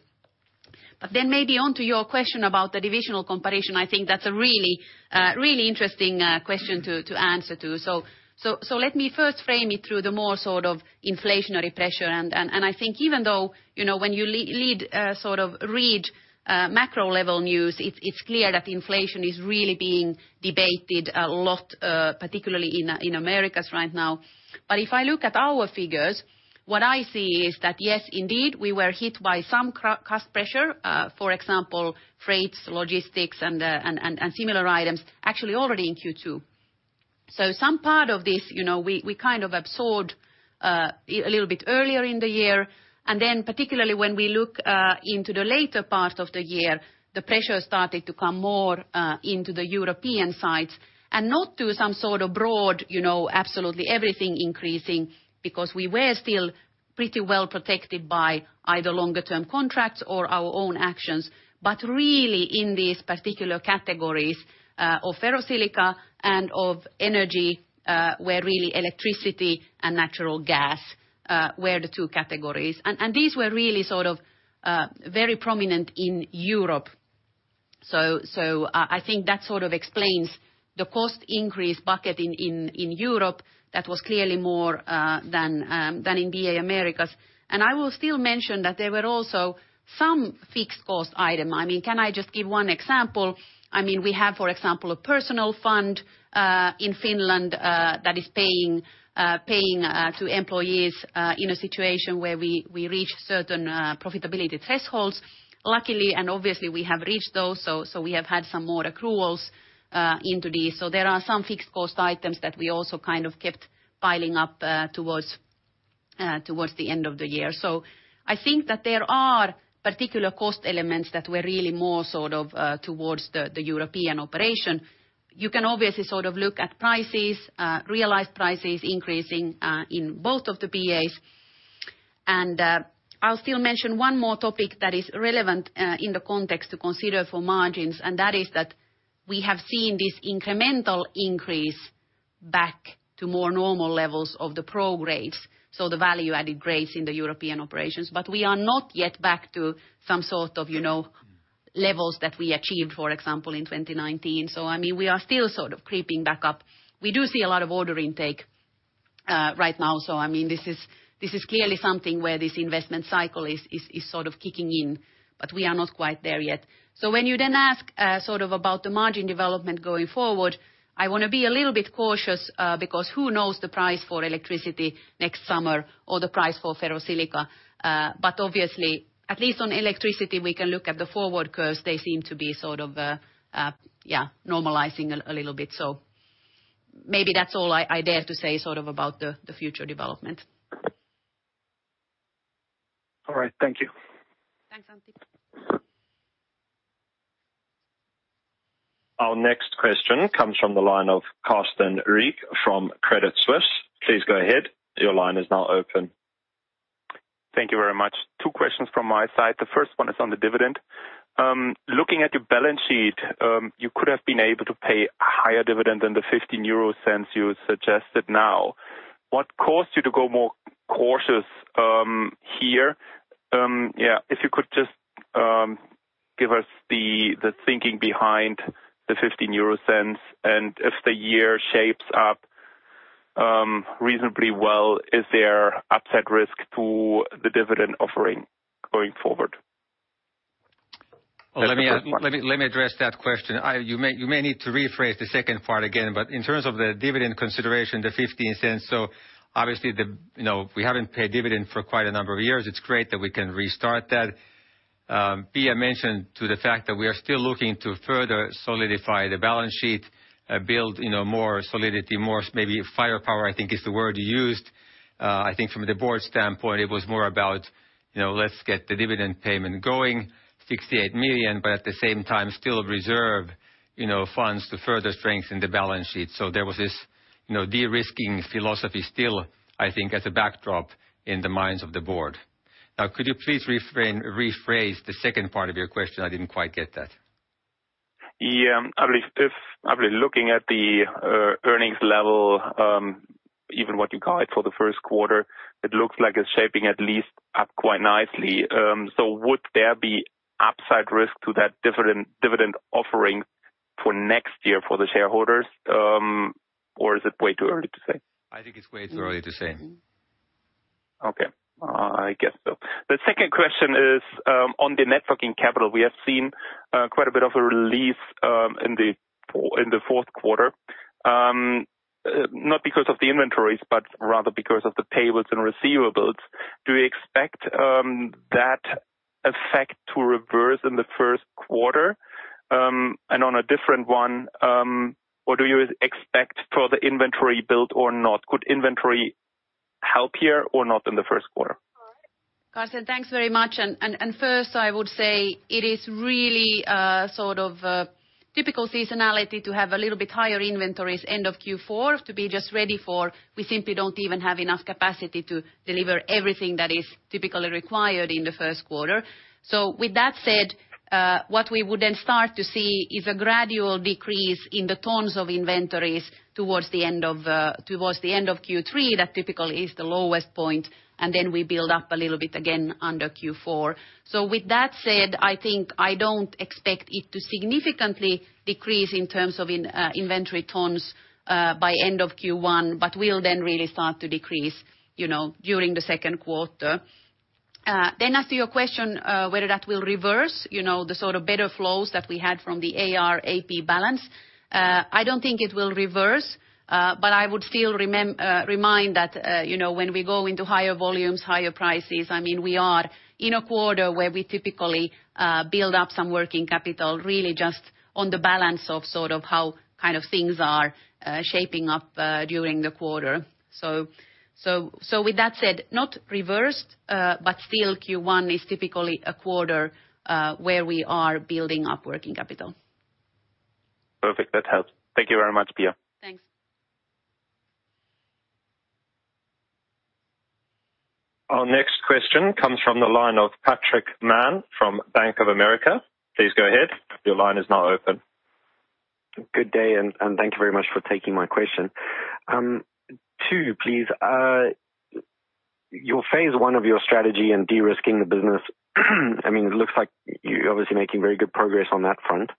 Then maybe onto your question about the divisional comparison, I think that's a really interesting question to answer. Let me first frame it through the more sort of inflationary pressure. I think even though, you know, when you read macro level news, it's clear that inflation is really being debated a lot, particularly in Americas right now. If I look at our figures, what I see is that yes, indeed, we were hit by some cost pressure, for example, freights, logistics and similar items actually already in Q2. Some part of this, you know, we kind of absorbed a little bit earlier in the year. Particularly when we look into the later part of the year, the pressure started to come more into the European side. Not to some sort of broad, you know, absolutely everything increasing because we were still pretty well protected by either longer term contracts or our own actions. Really in these particular categories of ferrosilicon and of energy, where really electricity and natural gas were the two categories. These were really sort of very prominent in Europe. I think that sort of explains the cost increase bucket in Europe that was clearly more than in BA Americas. I will still mention that there were also some fixed cost item. I mean, can I just give one example? I mean, we have, for example, a personnel fund in Finland that is paying to employees in a situation where we reach certain profitability thresholds. Luckily, and obviously, we have reached those, so we have had some more accruals into these. There are some fixed cost items that we also kind of kept piling up towards the end of the year. I think that there are particular cost elements that were really more sort of towards the European operation. You can obviously sort of look at prices, realized prices increasing, in both of the BAs. I'll still mention one more topic that is relevant in the context to consider for margins, and that is that we have seen this incremental increase back to more normal levels of the Pro grades, so the value-added grades in the European operations. We are not yet back to some sort of, you know, levels that we achieved, for example, in 2019. I mean, we are still sort of creeping back up. We do see a lot of order intake right now. I mean, this is clearly something where this investment cycle is sort of kicking in, but we are not quite there yet. When you then ask sort of about the margin development going forward, I wanna be a little bit cautious because who knows the price for electricity next summer or the price for ferrosilicon. But obviously, at least on electricity, we can look at the forward curves. They seem to be sort of normalizing a little bit. Maybe that's all I dare to say sort of about the future development. All right, thank you. Thanks, Antti. Our next question comes from the line of Carsten Riek from Credit Suisse. Please go ahead. Your line is now open. Thank you very much. Two questions from my side. The first one is on the dividend. Looking at your balance sheet, you could have been able to pay a higher dividend than the 0.50 you suggested now. What caused you to go more cautious, here? Yeah, if you could just give us the thinking behind the 0.50, and if the year shapes up, reasonably well, is there upside risk to the dividend offering going forward? That's the first one. Well, let me address that question. You may need to rephrase the second part again, but in terms of the dividend consideration, the 0.15, so obviously, you know, we haven't paid dividend for quite a number of years. It's great that we can restart that. Pia mentioned the fact that we are still looking to further solidify the balance sheet, build, you know, more solidity, maybe firepower, I think is the word you used. I think from the board's standpoint, it was more about, you know, let's get the dividend payment going, 68 million, but at the same time still reserve, you know, funds to further strengthen the balance sheet. There was this, you know, de-risking philosophy still, I think, as a backdrop in the minds of the board. Now, could you please reframe, rephrase the second part of your question? I didn't quite get that. Yeah. At least if I've been looking at the earnings level, even what you guide for the first quarter, it looks like it's shaping at least up quite nicely. Would there be upside risk to that dividend offering for next year for the shareholders, or is it way too early to say? I think it's way too early to say. Okay. I guess so. The second question is on the net working capital. We have seen quite a bit of a relief in the fourth quarter, not because of the inventories, but rather because of the payables and receivables. Do you expect that effect to reverse in the first quarter? On a different one, what do you expect for the inventory build or not? Could inventory help here or not in the first quarter? Carsten, thanks very much. First, I would say it is really sort of a typical seasonality to have a little bit higher inventories end of Q4 to be just ready for we simply don't even have enough capacity to deliver everything that is typically required in the first quarter. With that said, what we would then start to see is a gradual decrease in the tons of inventories towards the end of Q3. That typically is the lowest point, and then we build up a little bit again in Q4. With that said, I think I don't expect it to significantly decrease in terms of inventory tons by end of Q1, but will then really start to decrease, you know, during the second quarter. As to your question, whether that will reverse, you know, the sort of better flows that we had from the AR/AP balance, I don't think it will reverse, but I would still remind that, you know, when we go into higher volumes, higher prices, I mean, we are in a quarter where we typically build up some working capital, really just on the balance of sort of how kind of things are shaping up during the quarter. With that said, not reversed, but still Q1 is typically a quarter where we are building up working capital. Perfect. That helps. Thank you very much, Pia. Thanks. Our next question comes from the line of Patrick Mann from Bank of America. Please go ahead. Your line is now open. Good day, and thank you very much for taking my question. Two please. Your phase one of your strategy in de-risking the business, I mean, it looks like you're obviously making very good progress on that front.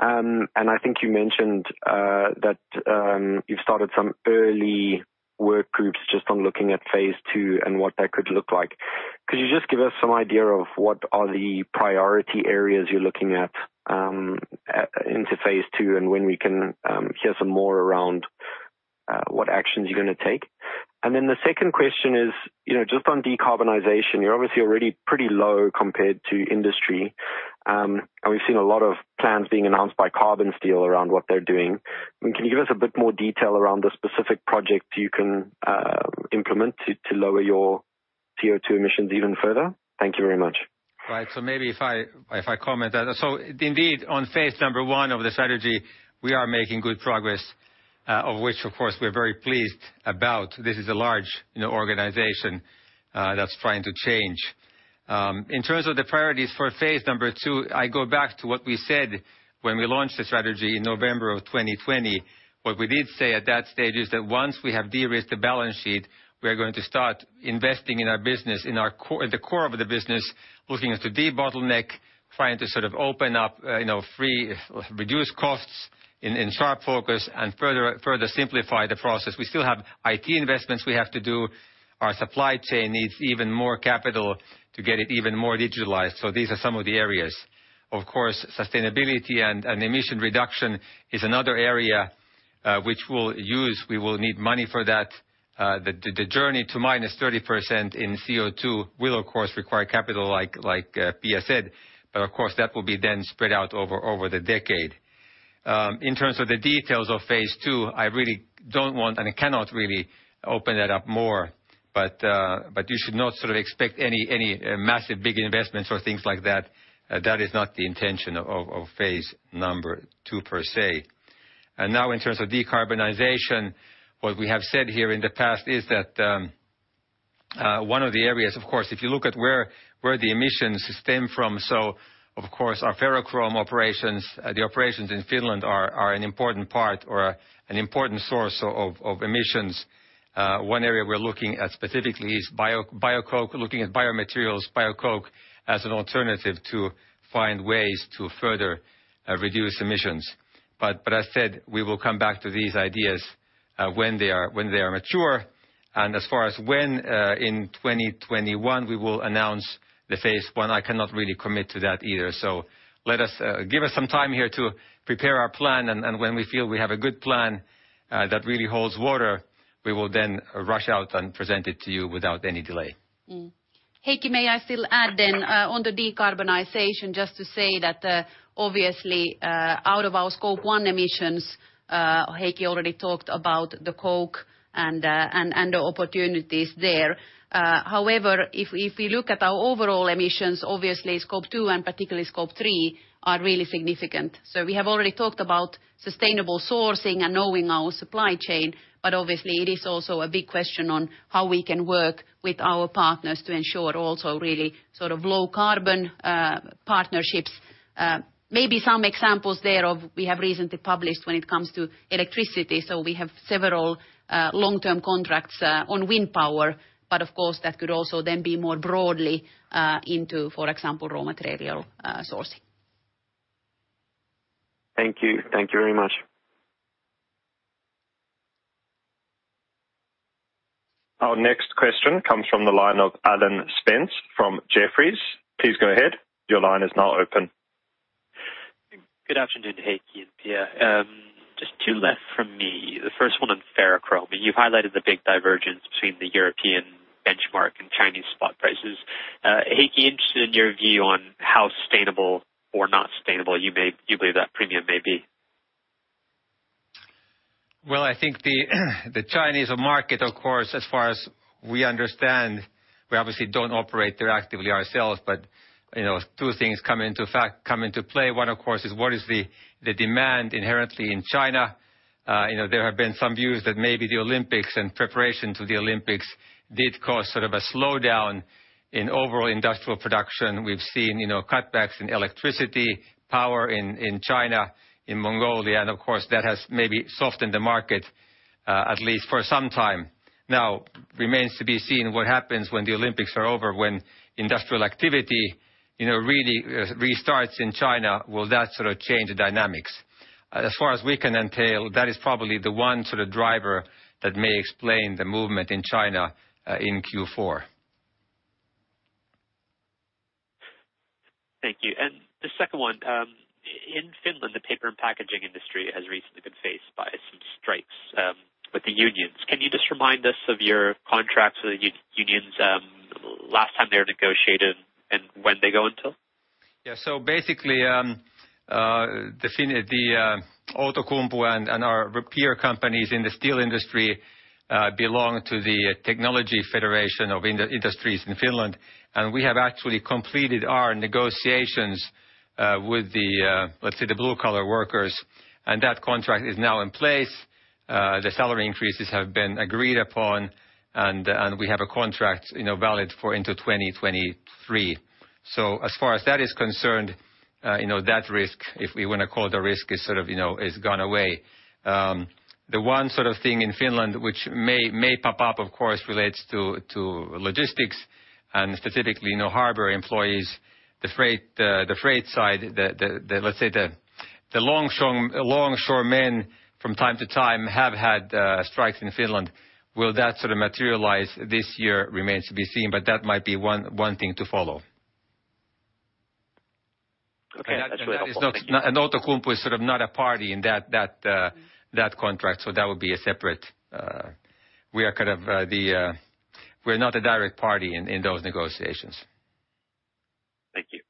I think you mentioned that you've started some early work groups just on looking into phase two and what that could look like. Could you just give us some idea of what are the priority areas you're looking into phase two, and when we can hear some more around what actions you're gonna take? The second question is, you know, just on decarbonization, you're obviously already pretty low compared to industry, and we've seen a lot of plans being announced by carbon steel around what they're doing. I mean, can you give us a bit more detail around the specific project you can implement to lower your CO2 emissions even further? Thank you very much. Right. Maybe if I comment that. Indeed, on phase number 1 of the strategy, we are making good progress, of which of course we're very pleased about. This is a large, you know, organization that's trying to change. In terms of the priorities for phase number two, I go back to what we said when we launched the strategy in November of 2020. What we did say at that stage is that once we have de-risked the balance sheet, we are going to start investing in our business, in our core, in the core of the business, looking to de-bottleneck, trying to sort of open up, free up, reduce costs in sharp focus and further simplify the process. We still have IT investments we have to do. Our supply chain needs even more capital to get it even more digitalized, so these are some of the areas. Of course, sustainability and emission reduction is another area, which we'll use. We will need money for that. The journey to minus 30% in CO2 will, of course, require capital like Pia said, but of course, that will be then spread out over the decade. In terms of the details of phase two, I really don't want and I cannot really open that up more, but you should not sort of expect any massive big investments or things like that. That is not the intention of phase number two, per se. Now, in terms of decarbonization, what we have said here in the past is that one of the areas, of course, if you look at where the emissions stem from, so of course our ferrochrome operations, the operations in Finland are an important part or an important source of emissions. One area we're looking at specifically is biocoke, looking at biomaterials, biocoke as an alternative to find ways to further reduce emissions. I said we will come back to these ideas when they are mature. As far as when in 2021 we will announce the phase one, I cannot really commit to that either. Let us... Give us some time here to prepare our plan and when we feel we have a good plan that really holds water, we will then rush out and present it to you without any delay. Heikki, may I still add on the decarbonization, just to say that obviously out of our Scope one emissions, Heikki already talked about the coke and the opportunities there. However, if we look at our overall emissions, obviously Scope two and particularly Scope three are really significant. We have already talked about sustainable sourcing and knowing our supply chain, but obviously it is also a big question on how we can work with our partners to ensure also really sort of low carbon partnerships. Maybe some examples there of we have recently published when it comes to electricity. We have several long-term contracts on wind power, but of course, that could also then be more broadly into, for example, raw material sourcing. Thank you. Thank you very much. Our next question comes from the line of Alan Spence from Jefferies. Please go ahead. Your line is now open. Good afternoon, Heikki and Pia. Just two left from me. The first one on ferrochrome. You highlighted the big divergence between the European benchmark and Chinese spot prices. Heikki, interested in your view on how sustainable or not sustainable you believe that premium may be? Well, I think the Chinese market, of course, as far as we understand, we obviously don't operate there actively ourselves, but, you know, two things come into play. One, of course, is what is the demand inherently in China. You know, there have been some views that maybe the Olympics and preparation to the Olympics did cause sort of a slowdown in overall industrial production. We've seen, you know, cutbacks in electricity power in China, in Mongolia, and of course, that has maybe softened the market, at least for some time. Now, it remains to be seen what happens when the Olympics are over, when industrial activity, you know, really restarts in China. Will that sort of change the dynamics? As far as we can tell, that is probably the one sort of driver that may explain the movement in China in Q4. Thank you. The second one, in Finland, the paper and packaging industry has recently been faced by some strikes with the unions. Can you just remind us of your contracts with the unions, last time they were negotiated and when they go until? Basically, Outokumpu and our peer companies in the steel industry belong to the Technology Industries of Finland. We have actually completed our negotiations with the, let's say, blue collar workers, and that contract is now in place. The salary increases have been agreed upon, and we have a contract, you know, valid into 2023. As far as that is concerned, you know, that risk, if we wanna call it a risk, is sort of, you know, gone away. The one sort of thing in Finland which may pop up, of course, relates to logistics and specifically, you know, harbor employees. The freight side, let's say the longshoremen from time to time have had strikes in Finland. Will that sort of materialize this year remains to be seen, but that might be one thing to follow. Okay. That's really helpful. Thank you. Outokumpu is sort of not a party in that contract, so that would be a separate. We are kind of we're not a direct party in those negotiations. Thank you.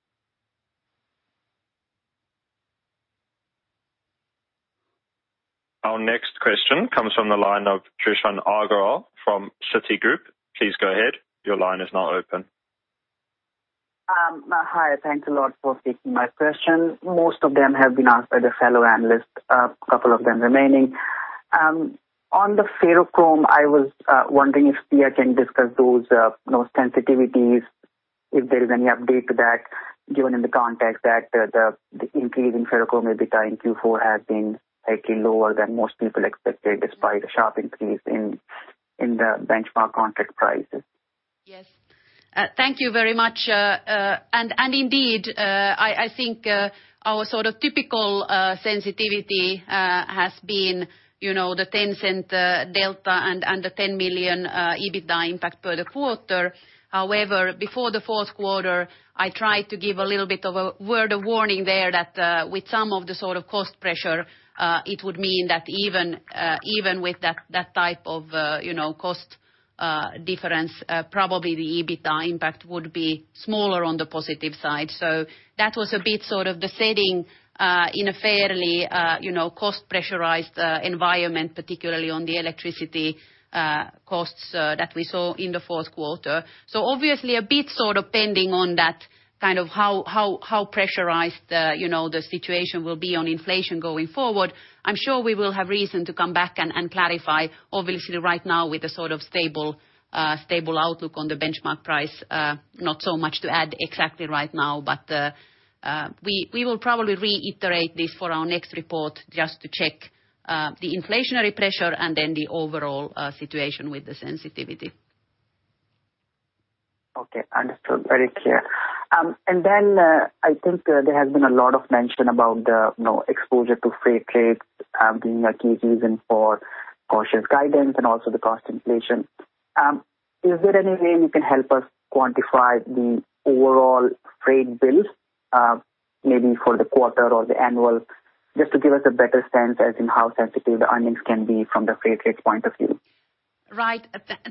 Our next question comes from the line of Krishan Agarwal from Citigroup. Please go ahead. Your line is now open. Hi, thanks a lot for taking my question. Most of them have been asked by the fellow analysts, a couple of them remaining. On the ferrochrome, I was wondering if Pia can discuss those sensitivities, if there is any update to that, given in the context that the increase in ferrochrome EBITDA in Q4 has been actually lower than most people expected, despite a sharp increase in the benchmark contract prices. Yes. Thank you very much. Indeed, I think our sort of typical sensitivity has been, you know, the 10-cent delta and the 10 million EBITDA impact per the quarter. However, before the fourth quarter, I tried to give a little bit of a word of warning there that with some of the sort of cost pressure, it would mean that even with that type of, you know, cost difference, probably the EBITDA impact would be smaller on the positive side. That was a bit sort of the setting in a fairly, you know, cost-pressurized environment, particularly on the electricity costs that we saw in the fourth quarter. Obviously a bit sort of depending on that, kind of how pressurized, you know, the situation will be on inflation going forward. I'm sure we will have reason to come back and clarify. Obviously right now with a sort of stable outlook on the benchmark price, not so much to add exactly right now. We will probably reiterate this for our next report just to check the inflationary pressure and then the overall situation with the sensitivity. Okay. Understood. Very clear. I think there has been a lot of mention about the, you know, exposure to freight rates, being a key reason for cautious guidance and also the cost inflation. Is there any way you can help us quantify the overall freight bills, maybe for the quarter or the annual just to give us a better sense as in how sensitive the earnings can be from the freight rates point of view? Right.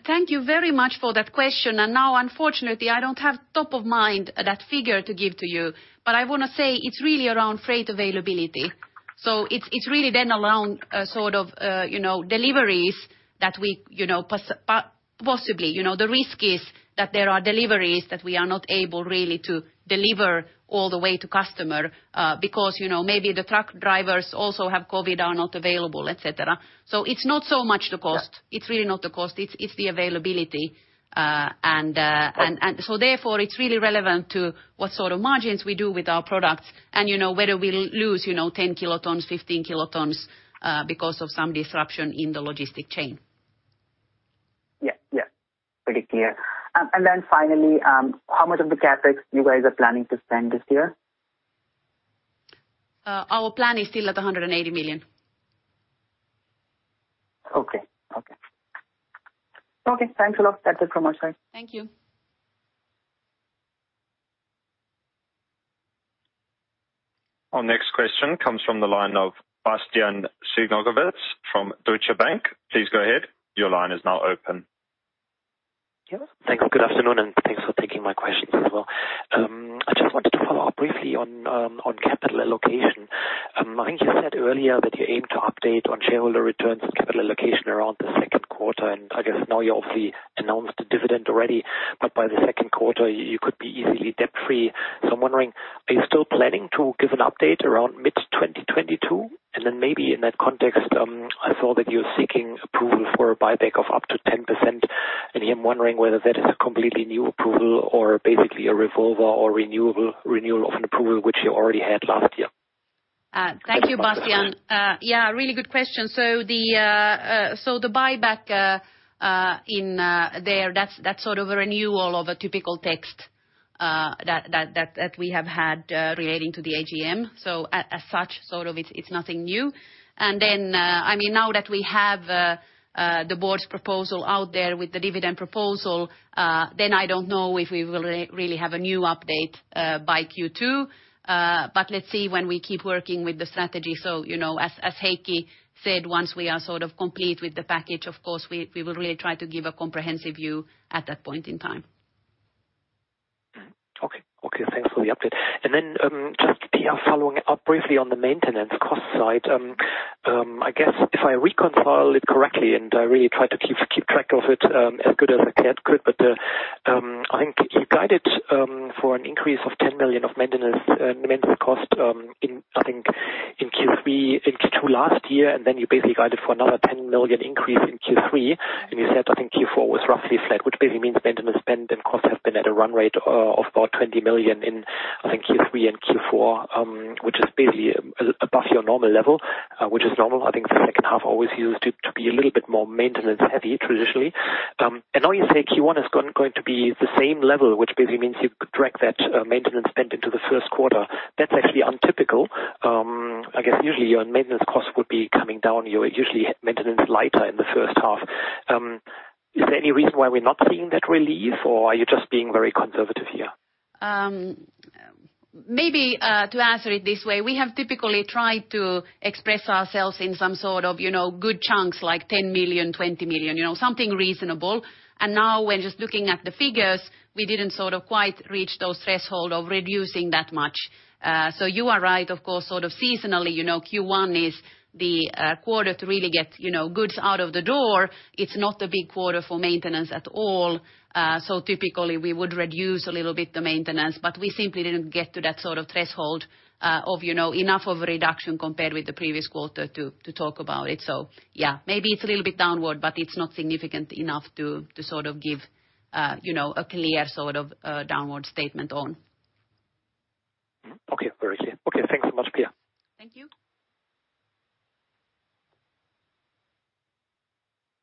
Thank you very much for that question. Now unfortunately I don't have top of mind that figure to give to you, but I wanna say it's really around freight availability. It's really then around, sort of, you know, deliveries that we, you know, possibly, you know. The risk is that there are deliveries that we are not able really to deliver all the way to customer, because, you know, maybe the truck drivers also have COVID or are not available, et cetera. It's not so much the cost. Yeah. It's really not the cost. It's the availability. Therefore it's really relevant to what sort of margins we do with our products and, you know, whether we lose, you know, 10 kilotons, 15 kilotons because of some disruption in the logistics chain. Yeah. Yeah. Pretty clear. Finally, how much of the CapEx you guys are planning to spend this year? Our plan is still at 180 million. Okay. Thanks a lot. That's it from my side. Thank you. Our next question comes from the line of Bastian Synagowitz from Deutsche Bank. Please go ahead. Your line is now open. Yeah. Thanks. Good afternoon, and thanks for taking my questions as well. I just wanted to follow up briefly on capital allocation. I think you said earlier that you aim to update on shareholder returns and capital allocation around the second quarter, and I guess now you obviously announced the dividend already. By the second quarter, you could be easily debt-free. I'm wondering, are you still planning to give an update around mid-2022? Then maybe in that context, I saw that you're seeking approval for a buyback of up to 10%, and I'm wondering whether that is a completely new approval or basically a revolver or renewal of an approval which you already had last year. Thank you, Bastian. Yeah, really good question. So the buyback in there, that's sort of a renewal of a typical text that we have had relating to the AGM. So as such, sort of it's nothing new. I mean, now that we have the board's proposal out there with the dividend proposal, then I don't know if we will really have a new update by Q2. Let's see when we keep working with the strategy. You know, as Heikki said, once we are sort of complete with the package, of course we will really try to give a comprehensive view at that point in time. Okay. Okay. Thanks for the update. Just, Pia, following up briefly on the maintenance cost side. I guess if I reconcile it correctly, and I really try to keep track of it as good as I can. I think you guided for an increase of 10 million of maintenance cost in Q2 last year, then you basically guided for another 10 million increase in Q3. You said I think Q4 was roughly flat, which basically means maintenance spend and costs have been at a run rate of about 20 million in Q3 and Q4, which is basically above your normal level, which is normal. I think the second half always used to be a little bit more maintenance heavy traditionally. Now you say Q1 is going to be the same level, which basically means you could drag that maintenance spend into the first quarter. That's actually untypical. I guess usually your maintenance costs would be coming down. You're usually maintenance lighter in the first half. Is there any reason why we're not seeing that relief, or are you just being very conservative here? Maybe to answer it this way, we have typically tried to express ourselves in some sort of, you know, good chunks, like 10 million, 20 million, you know, something reasonable. Now when just looking at the figures, we didn't sort of quite reach those threshold of reducing that much. You are right, of course, sort of seasonally, you know, Q1 is the quarter to really get, you know, goods out of the door. It's not a big quarter for maintenance at all. Typically we would reduce a little bit the maintenance, but we simply didn't get to that sort of threshold, of, you know, enough of a reduction compared with the previous quarter to talk about it. Yeah, maybe it's a little bit downward, but it's not significant enough to sort of give, you know, a clear sort of downward statement on. Okay. Very clear. Okay. Thanks so much, Pia. Thank you.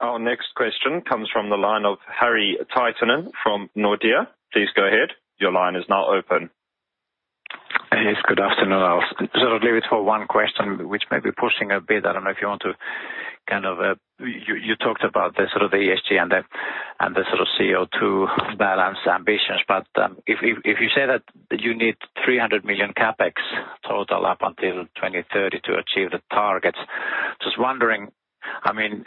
Our next question comes from the line of Harri Taittonen from Nordea. Please go ahead. Your line is now open. Yes, good afternoon. I'll sort of leave it for one question, which may be pushing a bit. I don't know if you want to kind of. You talked about the sort of ESG and the sort of CO2 balance ambitions. If you say that you need 300 million CapEx total up until 2030 to achieve the targets, just wondering, I mean,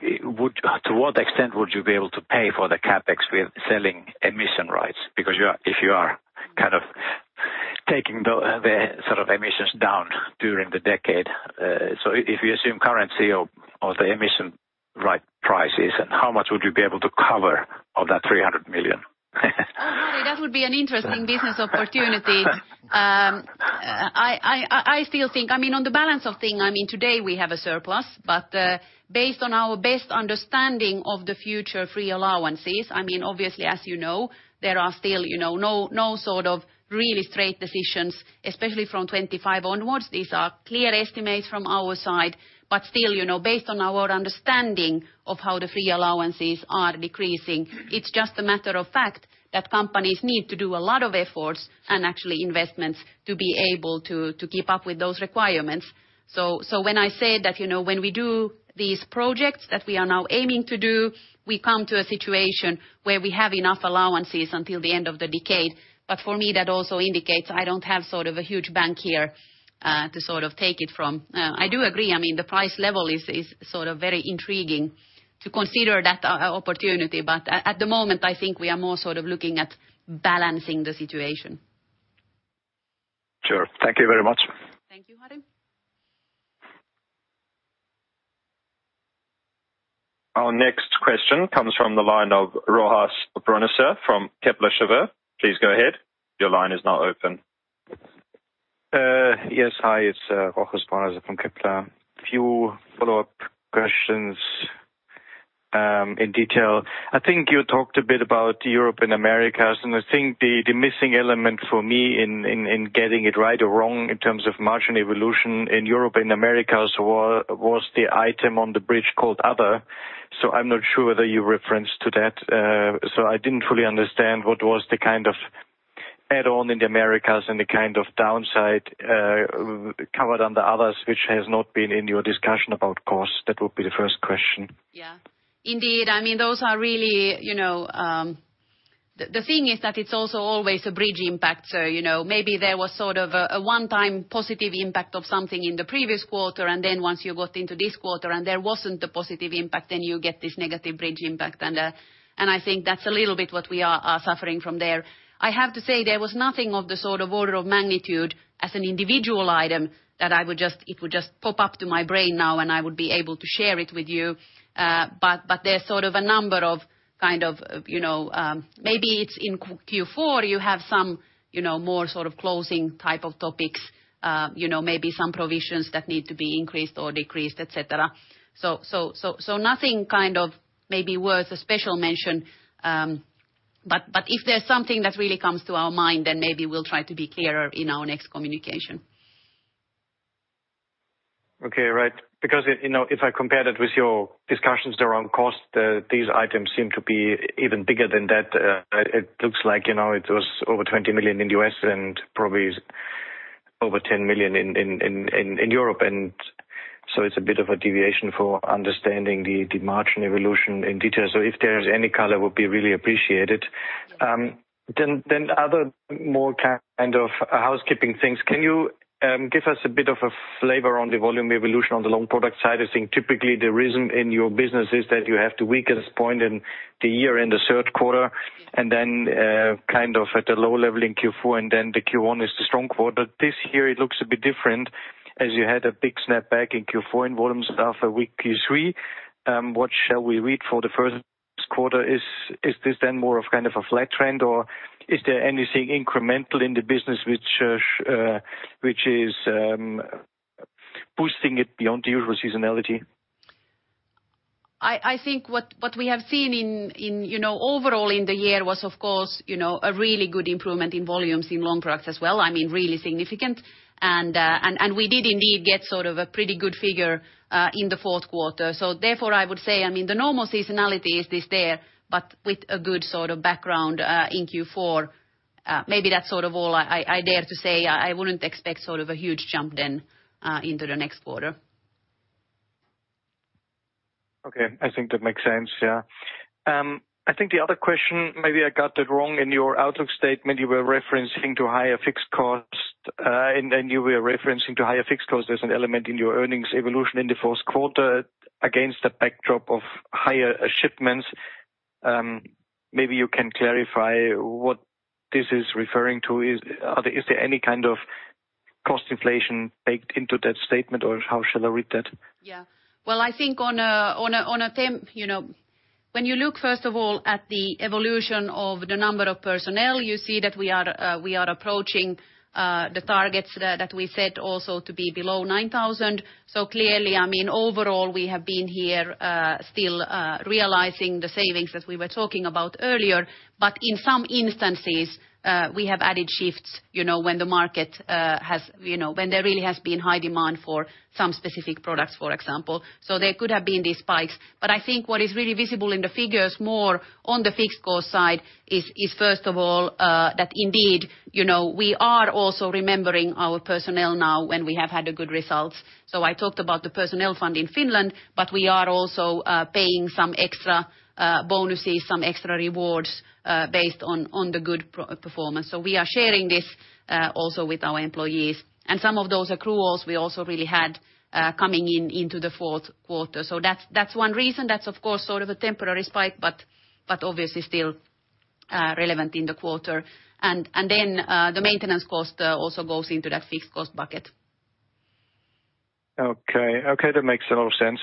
to what extent would you be able to pay for the CapEx with selling emission rights? Because if you are kind of taking the sort of emissions down during the decade. If you assume current CO2 or the emission rights prices, how much would you be able to cover of that 300 million? Oh, Harri, that would be an interesting business opportunity. I still think I mean, on the balance of things, I mean, today we have a surplus, but based on our best understanding of the future free allowances, I mean, obviously, as you know, there are still you know, no sort of really straight decisions, especially from 2025 onwards. These are clear estimates from our side. But still, you know, based on our understanding of how the free allowances are decreasing, it's just a matter of fact that companies need to do a lot of efforts and actually investments to be able to keep up with those requirements. When I say that, you know, when we do these projects that we are now aiming to do, we come to a situation where we have enough allowances until the end of the decade. For me, that also indicates I don't have sort of a huge bank here to sort of take it from. I do agree. I mean, the price level is sort of very intriguing to consider that opportunity, but at the moment, I think we are more sort of looking at balancing the situation. Sure. Thank you very much. Thank you, Harri. Our next question comes from the line of Rochus Brauneiser from Kepler Cheuvreux. Please go ahead. Your line is now open. Yes. Hi, it's Rochus Brauneiser from Kepler. Few follow-up questions in detail. I think you talked a bit about Europe and Americas, and I think the missing element for me in getting it right or wrong in terms of margin evolution in Europe and Americas was the item on the bridge called other. So I'm not sure that you referenced to that, so I didn't fully understand what was the kind of add-on in the Americas and the kind of downside covered under others, which has not been in your discussion about costs. That would be the first question. Yeah. Indeed, I mean, those are really, you know. The thing is that it's also always a bridge impact. You know, maybe there was sort of a one-time positive impact of something in the previous quarter, and then once you got into this quarter and there wasn't a positive impact, then you get this negative bridge impact. I think that's a little bit what we are suffering from there. I have to say there was nothing of the sort of order of magnitude as an individual item that it would just pop up to my brain now, and I would be able to share it with you. There's sort of a number of kind of, you know, maybe it's in Q4, you have some, you know, more sort of closing type of topics, maybe some provisions that need to be increased or decreased, et cetera. Nothing kind of maybe worth a special mention, but if there's something that really comes to our mind, then maybe we'll try to be clearer in our next communication. Okay. Right. Because, you know, if I compare that with your discussions around cost, these items seem to be even bigger than that. It looks like, you know, it was over 20 million in the U.S. and probably over 10 million in Europe. It's a bit of a deviation for understanding the margin evolution in detail. If there is any color, it would be really appreciated. Other more kind of housekeeping things, can you give us a bit of a flavor on the volume evolution on the Long Products side? I think typically the reason in your business is that you have the weakest point in the year in the third quarter, and then kind of at a low level in Q4, and then the Q1 is the strong quarter. This year it looks a bit different as you had a big snap back in Q4 in volumes after a weak Q3. What shall we read for the first quarter? Is this then more of kind of a flat trend, or is there anything incremental in the business which is boosting it beyond the usual seasonality? I think what we have seen in you know, overall in the year was, of course, you know, a really good improvement in volumes in Long Products as well, I mean, really significant. We did indeed get sort of a pretty good figure in the fourth quarter. Therefore, I would say, I mean, the normal seasonality is there, but with a good sort of background in Q4. Maybe that's sort of all I dare to say. I wouldn't expect sort of a huge jump then into the next quarter. Okay. I think that makes sense. Yeah. I think the other question, maybe I got that wrong in your outlook statement, you were referencing to higher fixed cost as an element in your earnings evolution in the fourth quarter against the backdrop of higher shipments. Maybe you can clarify what this is referring to. Is there any kind of cost inflation baked into that statement, or how shall I read that? When you look first of all at the evolution of the number of personnel, you see that we are approaching the targets that we set also to be below 9,000. So clearly, I mean, overall, we have been here still realizing the savings as we were talking about earlier. But in some instances, we have added shifts, you know, when there really has been high demand for some specific products, for example. So there could have been these spikes. But I think what is really visible in the figures more on the fixed cost side is first of all that indeed, you know, we are also rewarding our personnel now when we have had the good results. I talked about the personnel fund in Finland, but we are also paying some extra bonuses, some extra rewards based on the good performance. We are sharing this also with our employees. Some of those accruals we also really had coming into the fourth quarter. That's one reason. That's of course sort of a temporary spike, but obviously still relevant in the quarter. The maintenance cost also goes into that fixed cost bucket. Okay. Okay, that makes a lot of sense.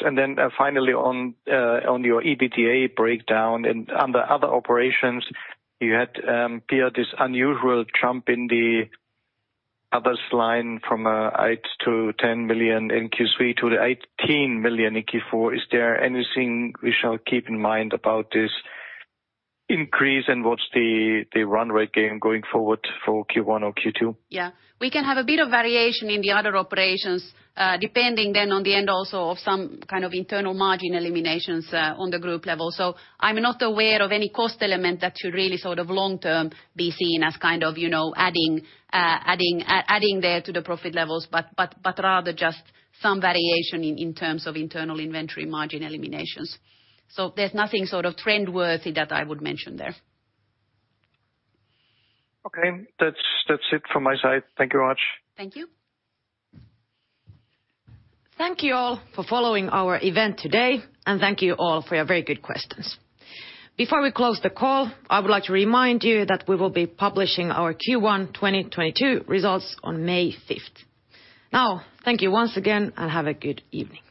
Finally on your EBITDA breakdown and under other operations, you had, Pia, this unusual jump in the others line from eight million-10 million in Q3 to the 18 million in Q4. Is there anything we shall keep in mind about this increase, and what's the run rate gain going forward for Q1 or Q2? Yeah. We can have a bit of variation in the other operations, depending then on the end also of some kind of internal margin eliminations, on the group level. I'm not aware of any cost element that should really sort of long term be seen as kind of, you know, adding there to the profit levels, but rather just some variation in terms of internal inventory margin eliminations. There's nothing sort of trend-worthy that I would mention there. Okay. That's it from my side. Thank you very much. Thank you. Thank you all for following our event today, and thank you all for your very good questions. Before we close the call, I would like to remind you that we will be publishing our Q1 2022 results on May 5th. Now, thank you once again, and have a good evening.